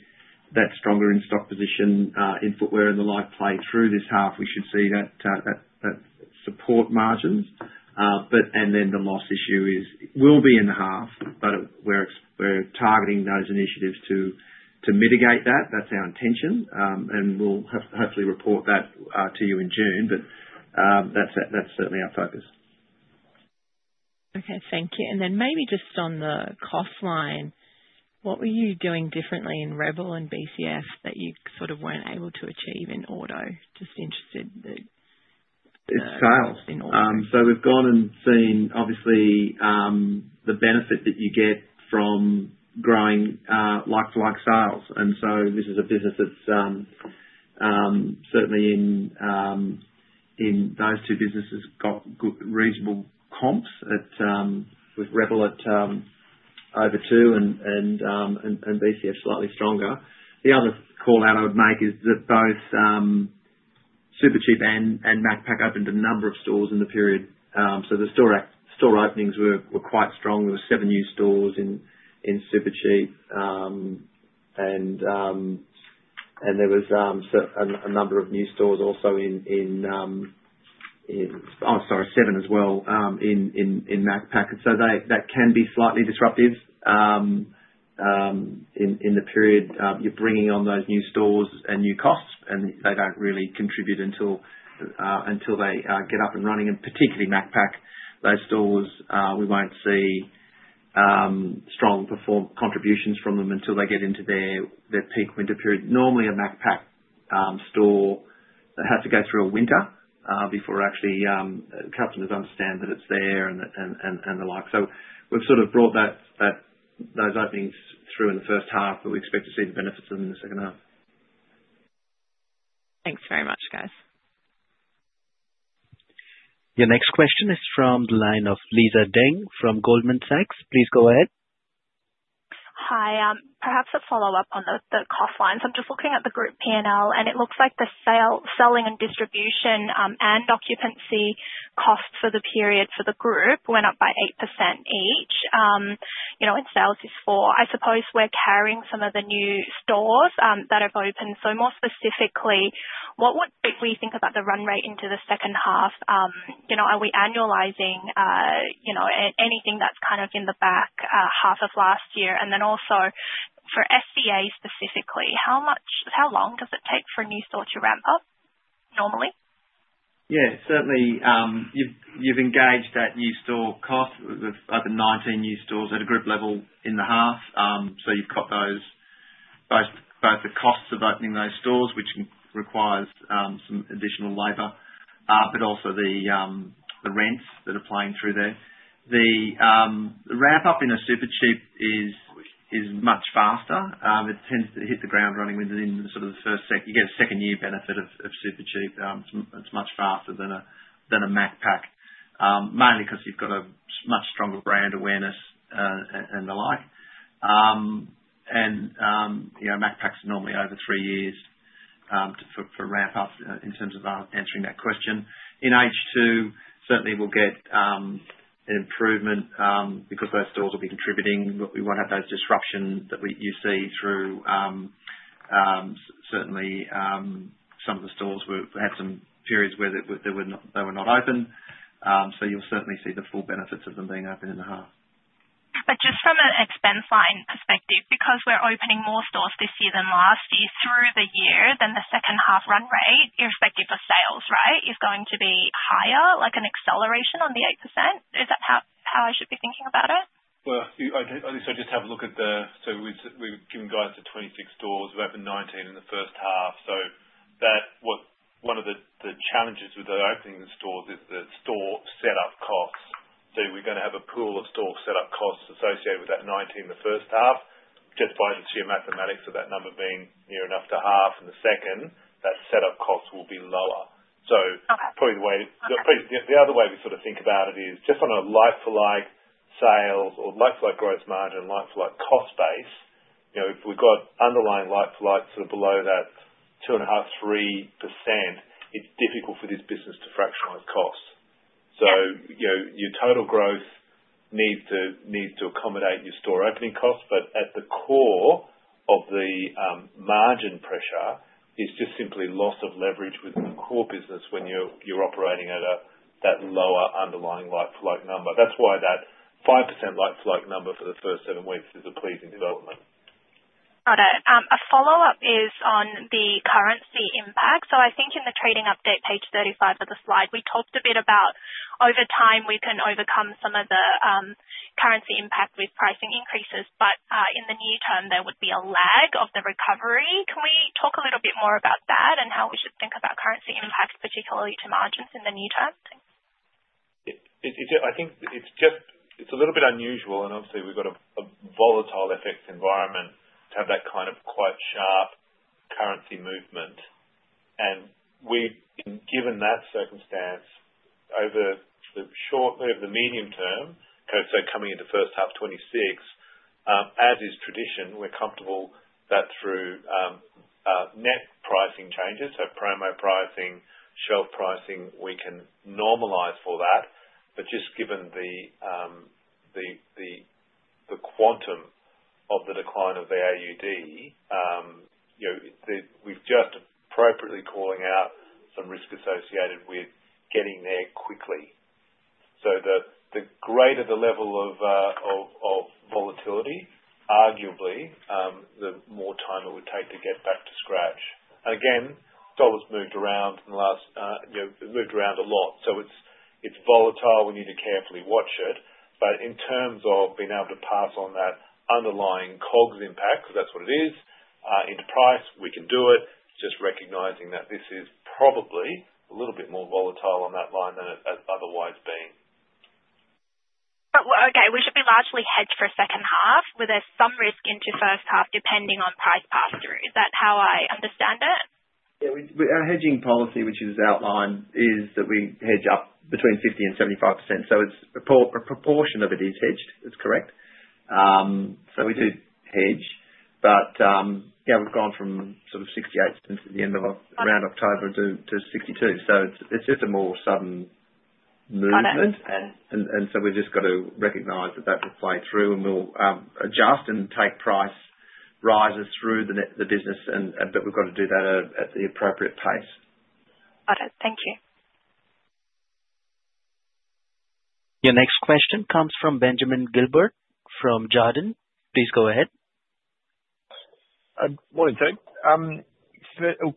that stronger in-stock position in footwear and the like play through this half, we should see that support margins. And then the loss issue will be in the half, but we're targeting those initiatives to mitigate that. That's our intention. And we'll hopefully report that to you in June, but that's certainly our focus. Okay. Thank you. Then maybe just on the cost line, what were you doing differently in Rebel and BCF that you sort of weren't able to achieve in auto? Just interested in auto in auto business. It's sales. So we've gone and seen, obviously, the benefit that you get from growing like-for-like sales. And so this is a business that's certainly in those two businesses got reasonable comps with Rebel at over two and BCF slightly stronger. The other callout I would make is that both Supercheap Auto and Macpac opened a number of stores in the period. So the store openings were quite strong. There were seven new stores in Supercheap Auto, and there was a number of new stores also in, oh, sorry, seven as well in Macpac. So that can be slightly disruptive in the period. You're bringing on those new stores and new costs, and they don't really contribute until they get up and running. And particularly Macpac, those stores, we won't see strong contributions from them until they get into their peak winter period. Normally, a Macpac store has to go through a winter before actually customers understand that it's there and the like. So we've sort of brought those openings through in the first half, but we expect to see the benefits of them in the second half. Thanks very much, guys. Your next question is from the line of Lisa Deng from Goldman Sachs. Please go ahead. Hi. Perhaps a follow-up on the cost lines. I'm just looking at the group P&L, and it looks like the selling and distribution and occupancy costs for the period for the group went up by 8% each in sales this fall. I suppose we're carrying some of the new stores that have opened. So more specifically, what would we think about the run rate into the second half? Are we annualizing anything that's kind of in the back half of last year? And then also for BCF specifically, how long does it take for a new store to ramp up normally? Yeah. Certainly, you've engaged that new store cost of the 19 new stores at a group level in the half. So you've got both the costs of opening those stores, which requires some additional labor, but also the rents that are playing through there. The ramp-up in a Supercheap is much faster. It tends to hit the ground running within sort of the first second. You get a second-year benefit of Supercheap. It's much faster than a Macpac, mainly because you've got a much stronger brand awareness and the like. Macpac's normally over three years for ramp-up in terms of answering that question. In H2, certainly, we'll get an improvement because those stores will be contributing. We won't have those disruptions that you see through. Certainly some of the stores had some periods where they were not open. So you'll certainly see the full benefits of them being open in the half. Just from an expense line perspective, because we're opening more stores this year than last year, through the year, then the second half run rate, irrespective of sales, right, is going to be higher, like an acceleration on the 8%. Is that how I should be thinking about it? I guess I just have a look at, so we've guided to 26 stores to open 19 in the first half. One of the challenges with opening the stores is the store setup costs. So we're going to have a pool of store setup costs associated with that 19 in the first half. Just by your mathematics of that number being near enough to half in the second, that setup cost will be lower. So probably the way the other way we sort of think about it is just on a like-for-like sales or like-for-like gross margin, like-for-like cost base, if we've got underlying like-for-like sort of below that 2.5%-3%, it's difficult for this business to leverage costs. So your total growth needs to accommodate your store opening costs. But at the core of the margin pressure is just simply loss of leverage within the core business when you're operating at that lower underlying like-for-like number. That's why that 5% like-for-like number for the first seven weeks is a pleasing development. Got it. A follow-up is on the currency impact. So I think in the trading update, page 35 of the slide, we talked a bit about over time we can overcome some of the currency impact with pricing increases, but in the near term, there would be a lag of the recovery. Can we talk a little bit more about that and how we should think about currency impacts, particularly to margins in the near term? I think it's a little bit unusual, and obviously, we've got a volatile FX environment to have that kind of quite sharp currency movement. And given that circumstance, over the medium term, so coming into first half 2026, as is tradition, we're comfortable that through net pricing changes, so promo pricing, shelf pricing, we can normalize for that. But just given the quantum of the decline of the AUD, we've just appropriately called out some risk associated with getting there quickly. So the greater the level of volatility, arguably, the more time it would take to get back to scratch. And again, dollars moved around in the last, moved around a lot. So it's volatile. We need to carefully watch it. But in terms of being able to pass on that underlying COGS impact, because that's what it is, into price, we can do it, just recognizing that this is probably a little bit more volatile on that line than it has otherwise been. Okay. We should be largely hedged for second half with some risk into first half depending on price pass-through. Is that how I understand it? Yeah. Our hedging policy, which is outlined, is that we hedge up between 50% and 75%. So a proportion of it is hedged. That's correct. So we do hedge. But yeah, we've gone from sort of 68 since the end of around October to 62. So it's just a more sudden movement. And so we've just got to recognize that that will play through, and we'll adjust and take price rises through the business. But we've got to do that at the appropriate pace. Got it. Thank you. Your next question comes from Benjamin Gilbert from Jarden. Please go ahead. Morning, Tim.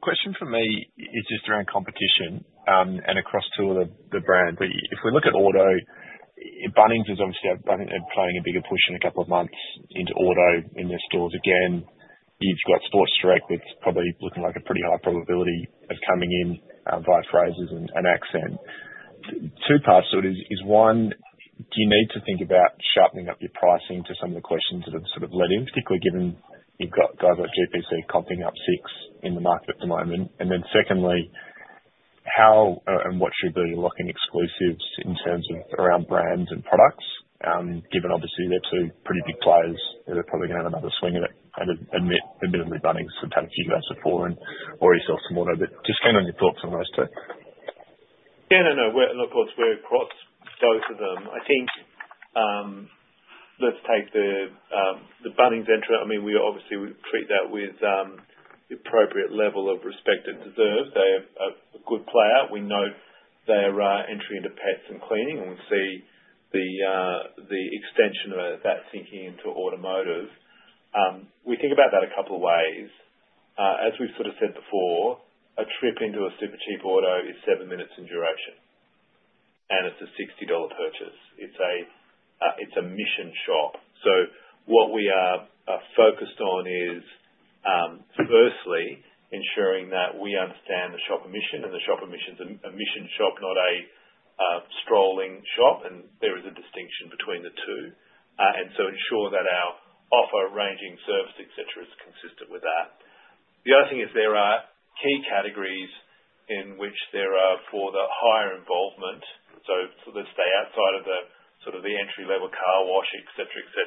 Question for me is just around competition and across two of the brands. If we look at auto, Bunnings is obviously playing a bigger push in a couple of months into auto in their stores. Again, you've got Sports Direct, which is probably looking like a pretty high probability of coming in via Frasers and Accent. Two parts to it is, one, do you need to think about sharpening up your pricing to some of the questions that have sort of led in, particularly given you've got guys like GPC comping up six in the market at the moment? And then secondly, how and what should be locking exclusives in terms of around brands and products, given obviously they're two pretty big players that are probably going to have another swing at it? I mean, admittedly, Bunnings have had a few guys before and already sell some auto. But just going on your thoughts on those two. Yeah. No, no. Of course, we're across both of them. I think let's take the Bunnings entry. I mean, we obviously treat that with the appropriate level of respect it deserves. They are a good player. We know they are entering into pets and cleaning, and we see the extension of that sinking into automotive. We think about that a couple of ways. As we've sort of said before, a trip into a Supercheap Auto is seven minutes in duration, and it's an $60 purchase. It's a mission shop, so what we are focused on is, firstly, ensuring that we understand the shop mission and the shop mission's a mission shop, not a strolling shop. And there is a distinction between the two, and so ensure that our offer, ranging, service, etc., is consistent with that. The other thing is there are key categories in which there are for the higher involvement, so let's stay outside of the sort of the entry-level car wash, etc., etc.,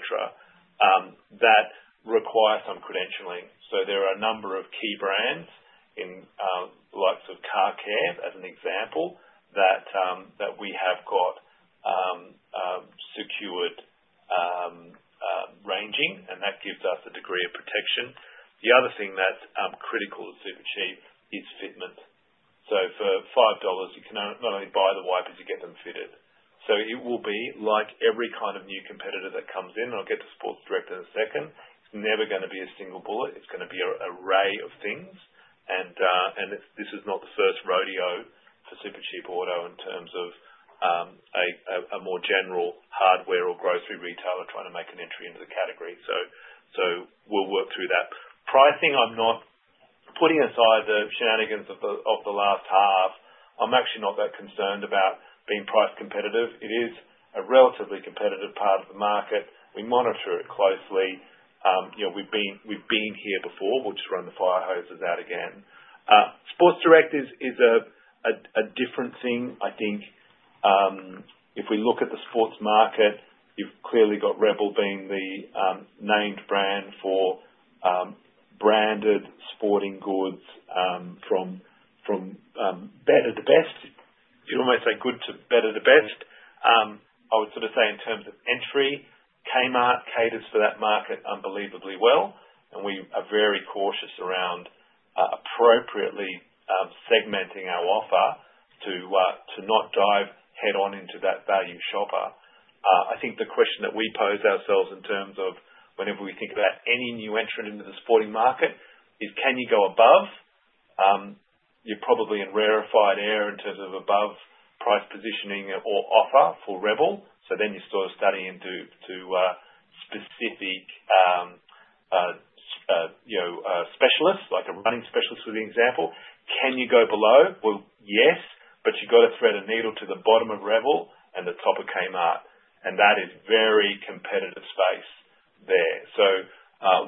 that require some credentialing. There are a number of key brands in likes of CarCare, as an example, that we have got secured ranging, and that gives us a degree of protection. The other thing that's critical to Supercheap Auto is fitment. So for $5, you can not only buy the wipers, you get them fitted. So it will be like every kind of new competitor that comes in. I'll get to Sports Direct in a second. It's never going to be a single bullet. It's going to be an array of things. And this is not the first rodeo for Supercheap Auto in terms of a more general hardware or grocery retailer trying to make an entry into the category. So we'll work through that. Pricing, I'm not putting aside the shenanigans of the last half. I'm actually not that concerned about being price competitive. It is a relatively competitive part of the market. We monitor it closely. We've been here before. We'll just run the fire hoses out again. Sports Direct is a different thing. I think if we look at the sports market, you've clearly got Rebel being the named brand for branded sporting goods from better to best. You'd almost say good to better to best. I would sort of say in terms of entry, Kmart caters for that market unbelievably well. And we are very cautious around appropriately segmenting our offer to not dive head-on into that value shopper. I think the question that we pose ourselves in terms of whenever we think about any new entrant into the sporting market is, can you go above? You're probably in rarefied air in terms of above price positioning or offer for Rebel. So then you're still studying into specific specialists, like a running specialist for the example. Can you go below? Well, yes, but you've got to thread a needle to the bottom of Rebel and the top of Kmart. And that is a very competitive space there. So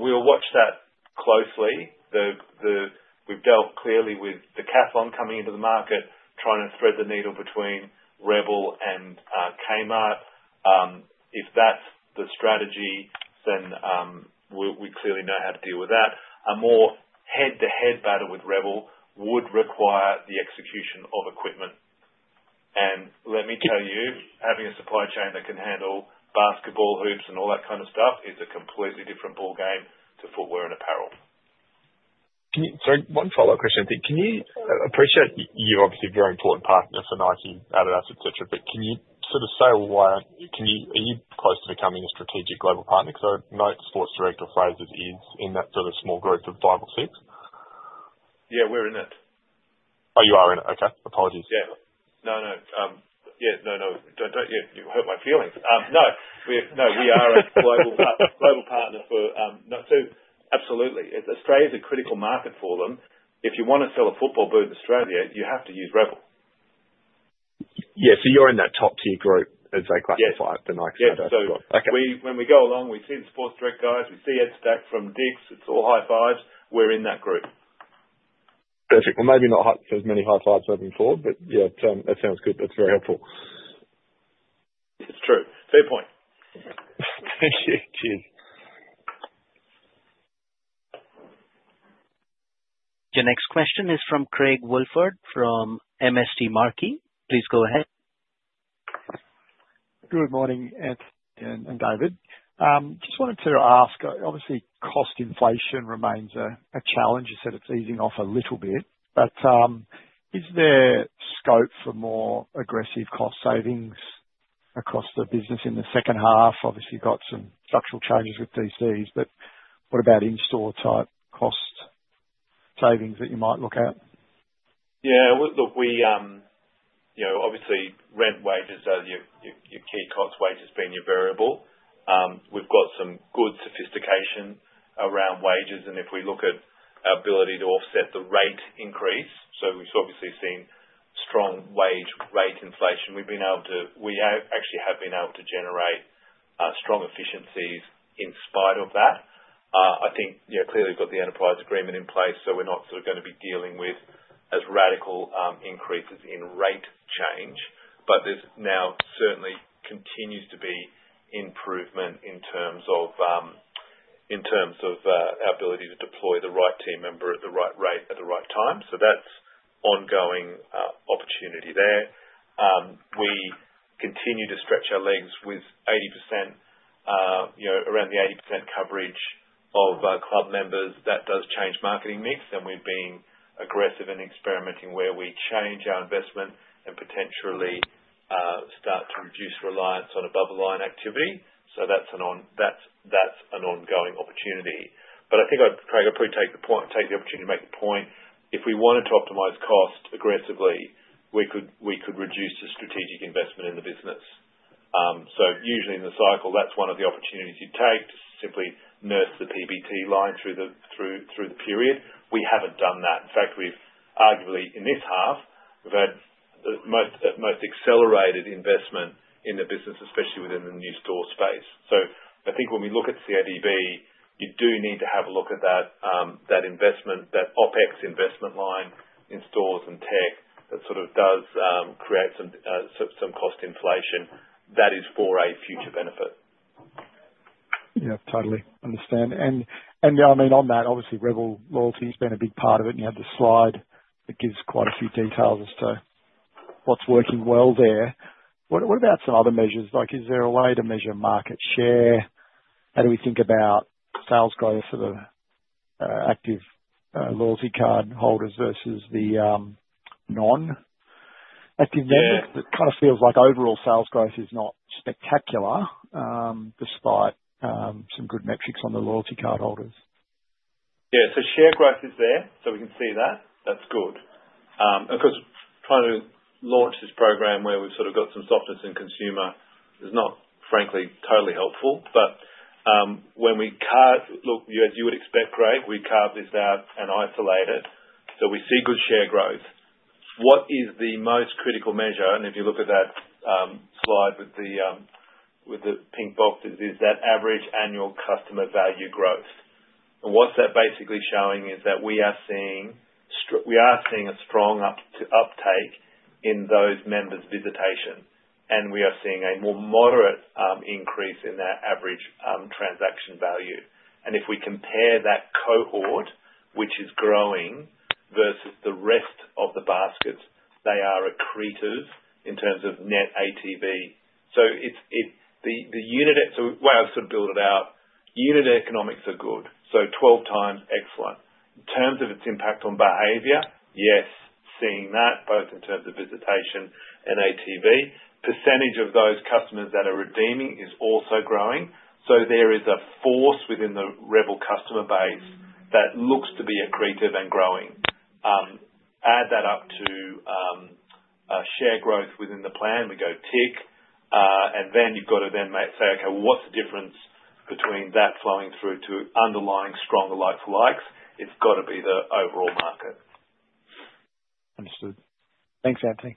we'll watch that closely. We've dealt clearly with Decathlon coming into the market, trying to thread the needle between Rebel and Kmart. If that's the strategy, then we clearly know how to deal with that. A more head-to-head battle with Rebel would require the execution of equipment. And let me tell you, having a supply chain that can handle basketball hoops and all that kind of stuff is a completely different ballgame to footwear and apparel. Sorry, one follow-up question. Can you appreciate you're obviously a very important partner for Nike, Adidas, etc., but can you sort of say why are you close to becoming a strategic global partner? Because I know Sports Direct or Frasers is in that sort of small group of five or six. Yeah, we're in it. Oh, you are in it. Okay. Apologies. Yeah. No, no. Yeah. No, no. You hurt my feelings. No. No, we are a global partner for Nike too. Absolutely. Australia is a critical market for them. If you want to sell a football boot in Australia, you have to use Rebel. Yeah. So you're in that top-tier group as they classify the Nikes and Adidas group. Yeah. So when we go along, we see the Sports Direct guys. We see Ed Stack from Dick's Sporting Goods. It's all high fives. We're in that group. Perfect. Well, maybe not as many high fives as we've been told, but yeah, that sounds good. That's very helpful. It's true. Fair point. Cheers. Your next question is from Craig Woolford from MST Marquee. Please go ahead. Good morning, Anthony and David. Just wanted to ask, obviously, cost inflation remains a challenge. You said it's easing off a little bit. But is there scope for more aggressive cost savings across the business in the second half? Obviously, you've got some structural changes with DCs, but what about in-store type cost savings that you might look at? Yeah. Look, we obviously rent, wages as your key cost, wages being your variable. We've got some good sophistication around wages. And if we look at our ability to offset the rate increase, so we've obviously seen strong wage rate inflation. We've actually been able to generate strong efficiencies in spite of that. I think clearly we've got the enterprise agreement in place, so we're not sort of going to be dealing with as radical increases in rate change. But there's now certainly continues to be improvement in terms of our ability to deploy the right team member at the right rate at the right time. So that's ongoing opportunity there. We continue to stretch our legs with 80% around the 80% coverage of club members. That does change marketing mix, and we've been aggressive and experimenting where we change our investment and potentially start to reduce reliance on above-the-line activity. So that's an ongoing opportunity. But I think, Craig, I'd probably take the opportunity to make the point. If we wanted to optimize cost aggressively, we could reduce the strategic investment in the business. So usually in the cycle, that's one of the opportunities you take to simply nurse the PBT line through the period. We haven't done that. In fact, arguably in this half, we've had the most accelerated investment in the business, especially within the new store space. So I think when we look at CODB, you do need to have a look at that investment, that OPEX investment line in stores and tech that sort of does create some cost inflation. That is for a future benefit. Yeah. Totally understand. And I mean, on that, obviously, Rebel loyalty has been a big part of it. And you had the slide that gives quite a few details as to what's working well there. What about some other measures? Is there a way to measure market share? How do we think about sales growth for the active loyalty card holders versus the non-active members? It kind of feels like overall sales growth is not spectacular despite some good metrics on the loyalty card holders. Yeah. So sales growth is there, so we can see that. That's good. Of course, trying to launch this program where we've sort of got some softness in consumer is not, frankly, totally helpful. But when we look, as you would expect, Craig, we carve this out and isolate it. So we see good sales growth. What is the most critical measure? And if you look at that slide with the pink box, it is that average annual customer value growth. And what's that basically showing is that we are seeing a strong uptake in those members' visitation, and we are seeing a more moderate increase in their average transaction value. And if we compare that cohort, which is growing versus the rest of the baskets, they are accretive in terms of net ATV. So the way I've sort of built it out, unit economics are good. So 12 times excellent. In terms of its impact on behavior, yes, seeing that both in terms of visitation and ATV. Percentage of those customers that are redeeming is also growing. So there is a force within the Rebel customer base that looks to be accretive and growing. Add that up to share growth within the plan, we go tick. And then you've got to say, okay, well, what's the difference between that flowing through to underlying stronger like-for-likes? It's got to be the overall market. Understood. Thanks, Anthony.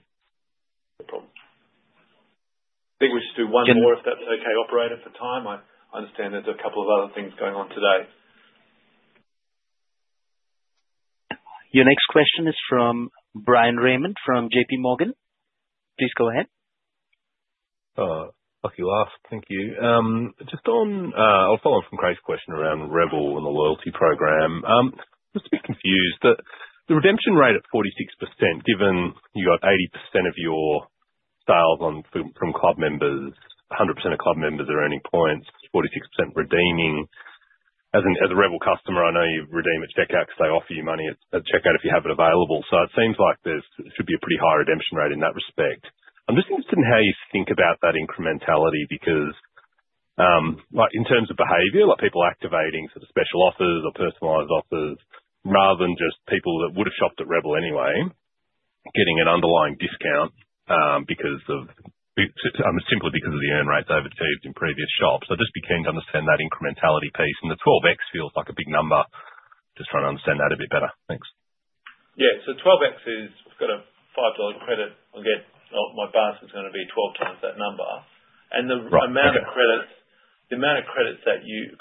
No problem. I think we should do one more, if that's okay, operator, for time. I understand there's a couple of other things going on today. Your next question is from Bryan Raymond from JP Morgan. Please go ahead. Lucky last. Thank you. Just on. I'll follow on from Craig's question around Rebel and the loyalty program. I'm just a bit confused. The redemption rate at 46%, given you got 80% of your sales from club members, 100% of club members are earning points, 46% redeeming. As a Rebel customer, I know you redeem at checkout because they offer you money at checkout if you have it available. So it seems like there should be a pretty high redemption rate in that respect. I'm just interested in how you think about that incrementality because in terms of behavior, people activating sort of special offers or personalized offers rather than just people that would have shopped at Rebel anyway getting an underlying discount simply because of the earn rates they've achieved in previous shops. I'd just be keen to understand that incrementality piece. And the 12x feels like a big number. Just trying to understand that a bit better. Thanks. Yeah. So 12x is I've got a $5 credit. Again, my buyer's going to be 12 times that number. And the amount of credits that you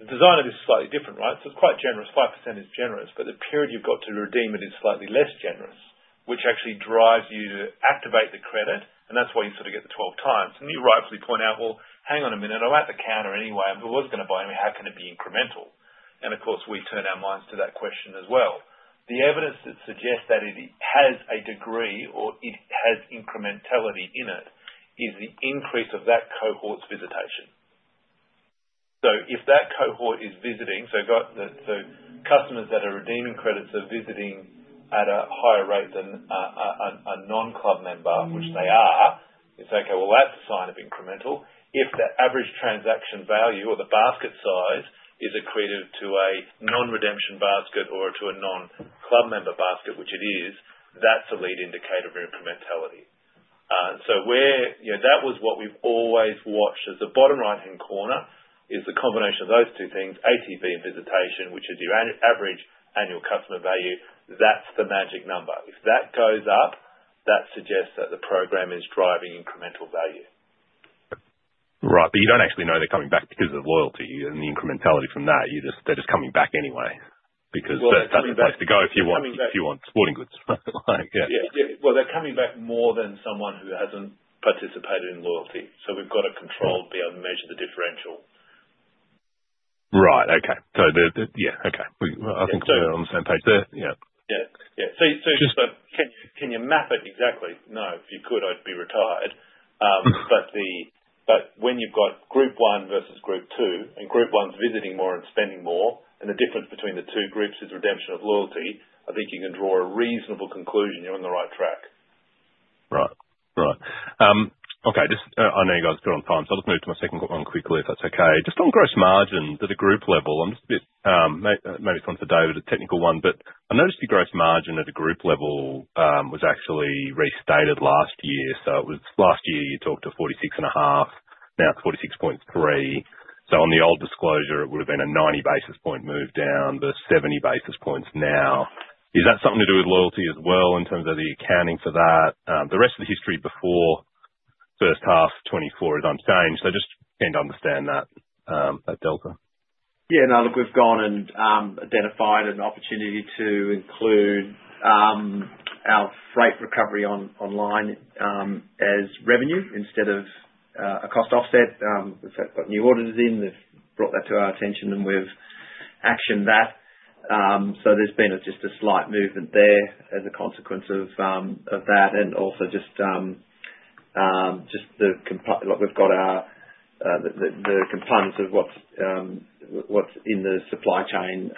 because the design of this is slightly different, right? So it's quite generous. 5% is generous. But the period you've got to redeem it is slightly less generous, which actually drives you to activate the credit. And that's why you sort of get the 12 times. And you rightfully point out, "Well, hang on a minute. I'm at the counter anyway. I was going to buy it. I mean, how can it be incremental?" And of course, we turn our minds to that question as well. The evidence that suggests that it has a degree or it has incrementality in it is the increase of that cohort's visitation. So if that cohort is visiting, so customers that are redeeming credits are visiting at a higher rate than a non-club member, which they are, it's okay. Well, that's a sign of incremental. If the average transaction value or the basket size is accretive to a non-redemption basket or to a non-club member basket, which it is, that's a lead indicator of incrementality. So that was what we've always watched as the bottom right-hand corner is the combination of those two things, ATV and visitation, which is your average annual customer value. That's the magic number. If that goes up, that suggests that the program is driving incremental value. Right. But you don't actually know they're coming back because of loyalty and the incrementality from that. They're just coming back anyway because that's the place to go if you want sporting goods. Yeah. Well, they're coming back more than someone who hasn't participated in loyalty. So we've got to control, be able to measure the differential. Right. Okay. So yeah. Okay. I think we're on the same page there. Yeah. Yeah. Yeah. So can you map it exactly? No. If you could, I'd be retired. But when you've got group one versus group two, and group one's visiting more and spending more, and the difference between the two groups is redemption of loyalty, I think you can draw a reasonable conclusion you're on the right track. Right. Right. Okay. I know you guys are good on time, so I'll just move to my second one quickly if that's okay. Just on gross margin to the group level, I'm just a bit. Maybe it's one for David, a technical one. But I noticed the gross margin at a group level was actually restated last year. So last year, you talked to 46.5. Now it's 46.3. So on the old disclosure, it would have been a 90 basis points move down to 70 basis points now. Is that something to do with loyalty as well in terms of the accounting for that? The rest of the history before first half 2024 is unchanged. I just came to understand that delta. Yeah. No, look, we've gone and identified an opportunity to include our freight recovery online as revenue instead of a cost offset. We've got new orders in. They've brought that to our attention, and we've actioned that. So there's been just a slight movement there as a consequence of that. And also just the components of what's in the supply chain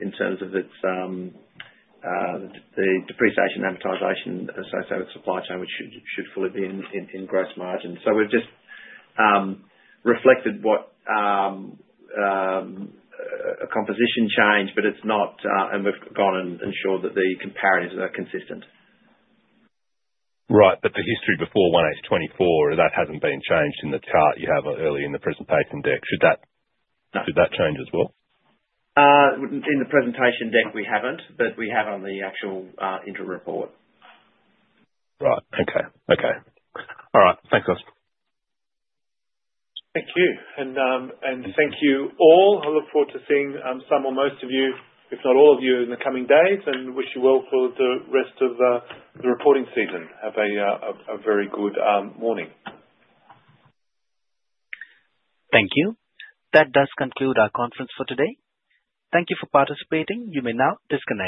in terms of the depreciation amortization associated with supply chain, which should fully be in gross margin. So we've just reflected a composition change, but it's not, and we've gone and ensured that the comparisons are consistent. Right. But the history before 1H24, that hasn't been changed in the chart you have early in the presentation deck. Should that change as well? In the presentation deck, we haven't, but we have on the actual interim report. Right. Okay. Okay. All right. Thanks, guys. Thank you. And thank you all. I look forward to seeing some or most of you, if not all of you, in the coming days, and wish you well for the rest of the reporting season. Have a very good morning. Thank you. That does conclude our conference for today. Thank you for participating. You may now disconnect.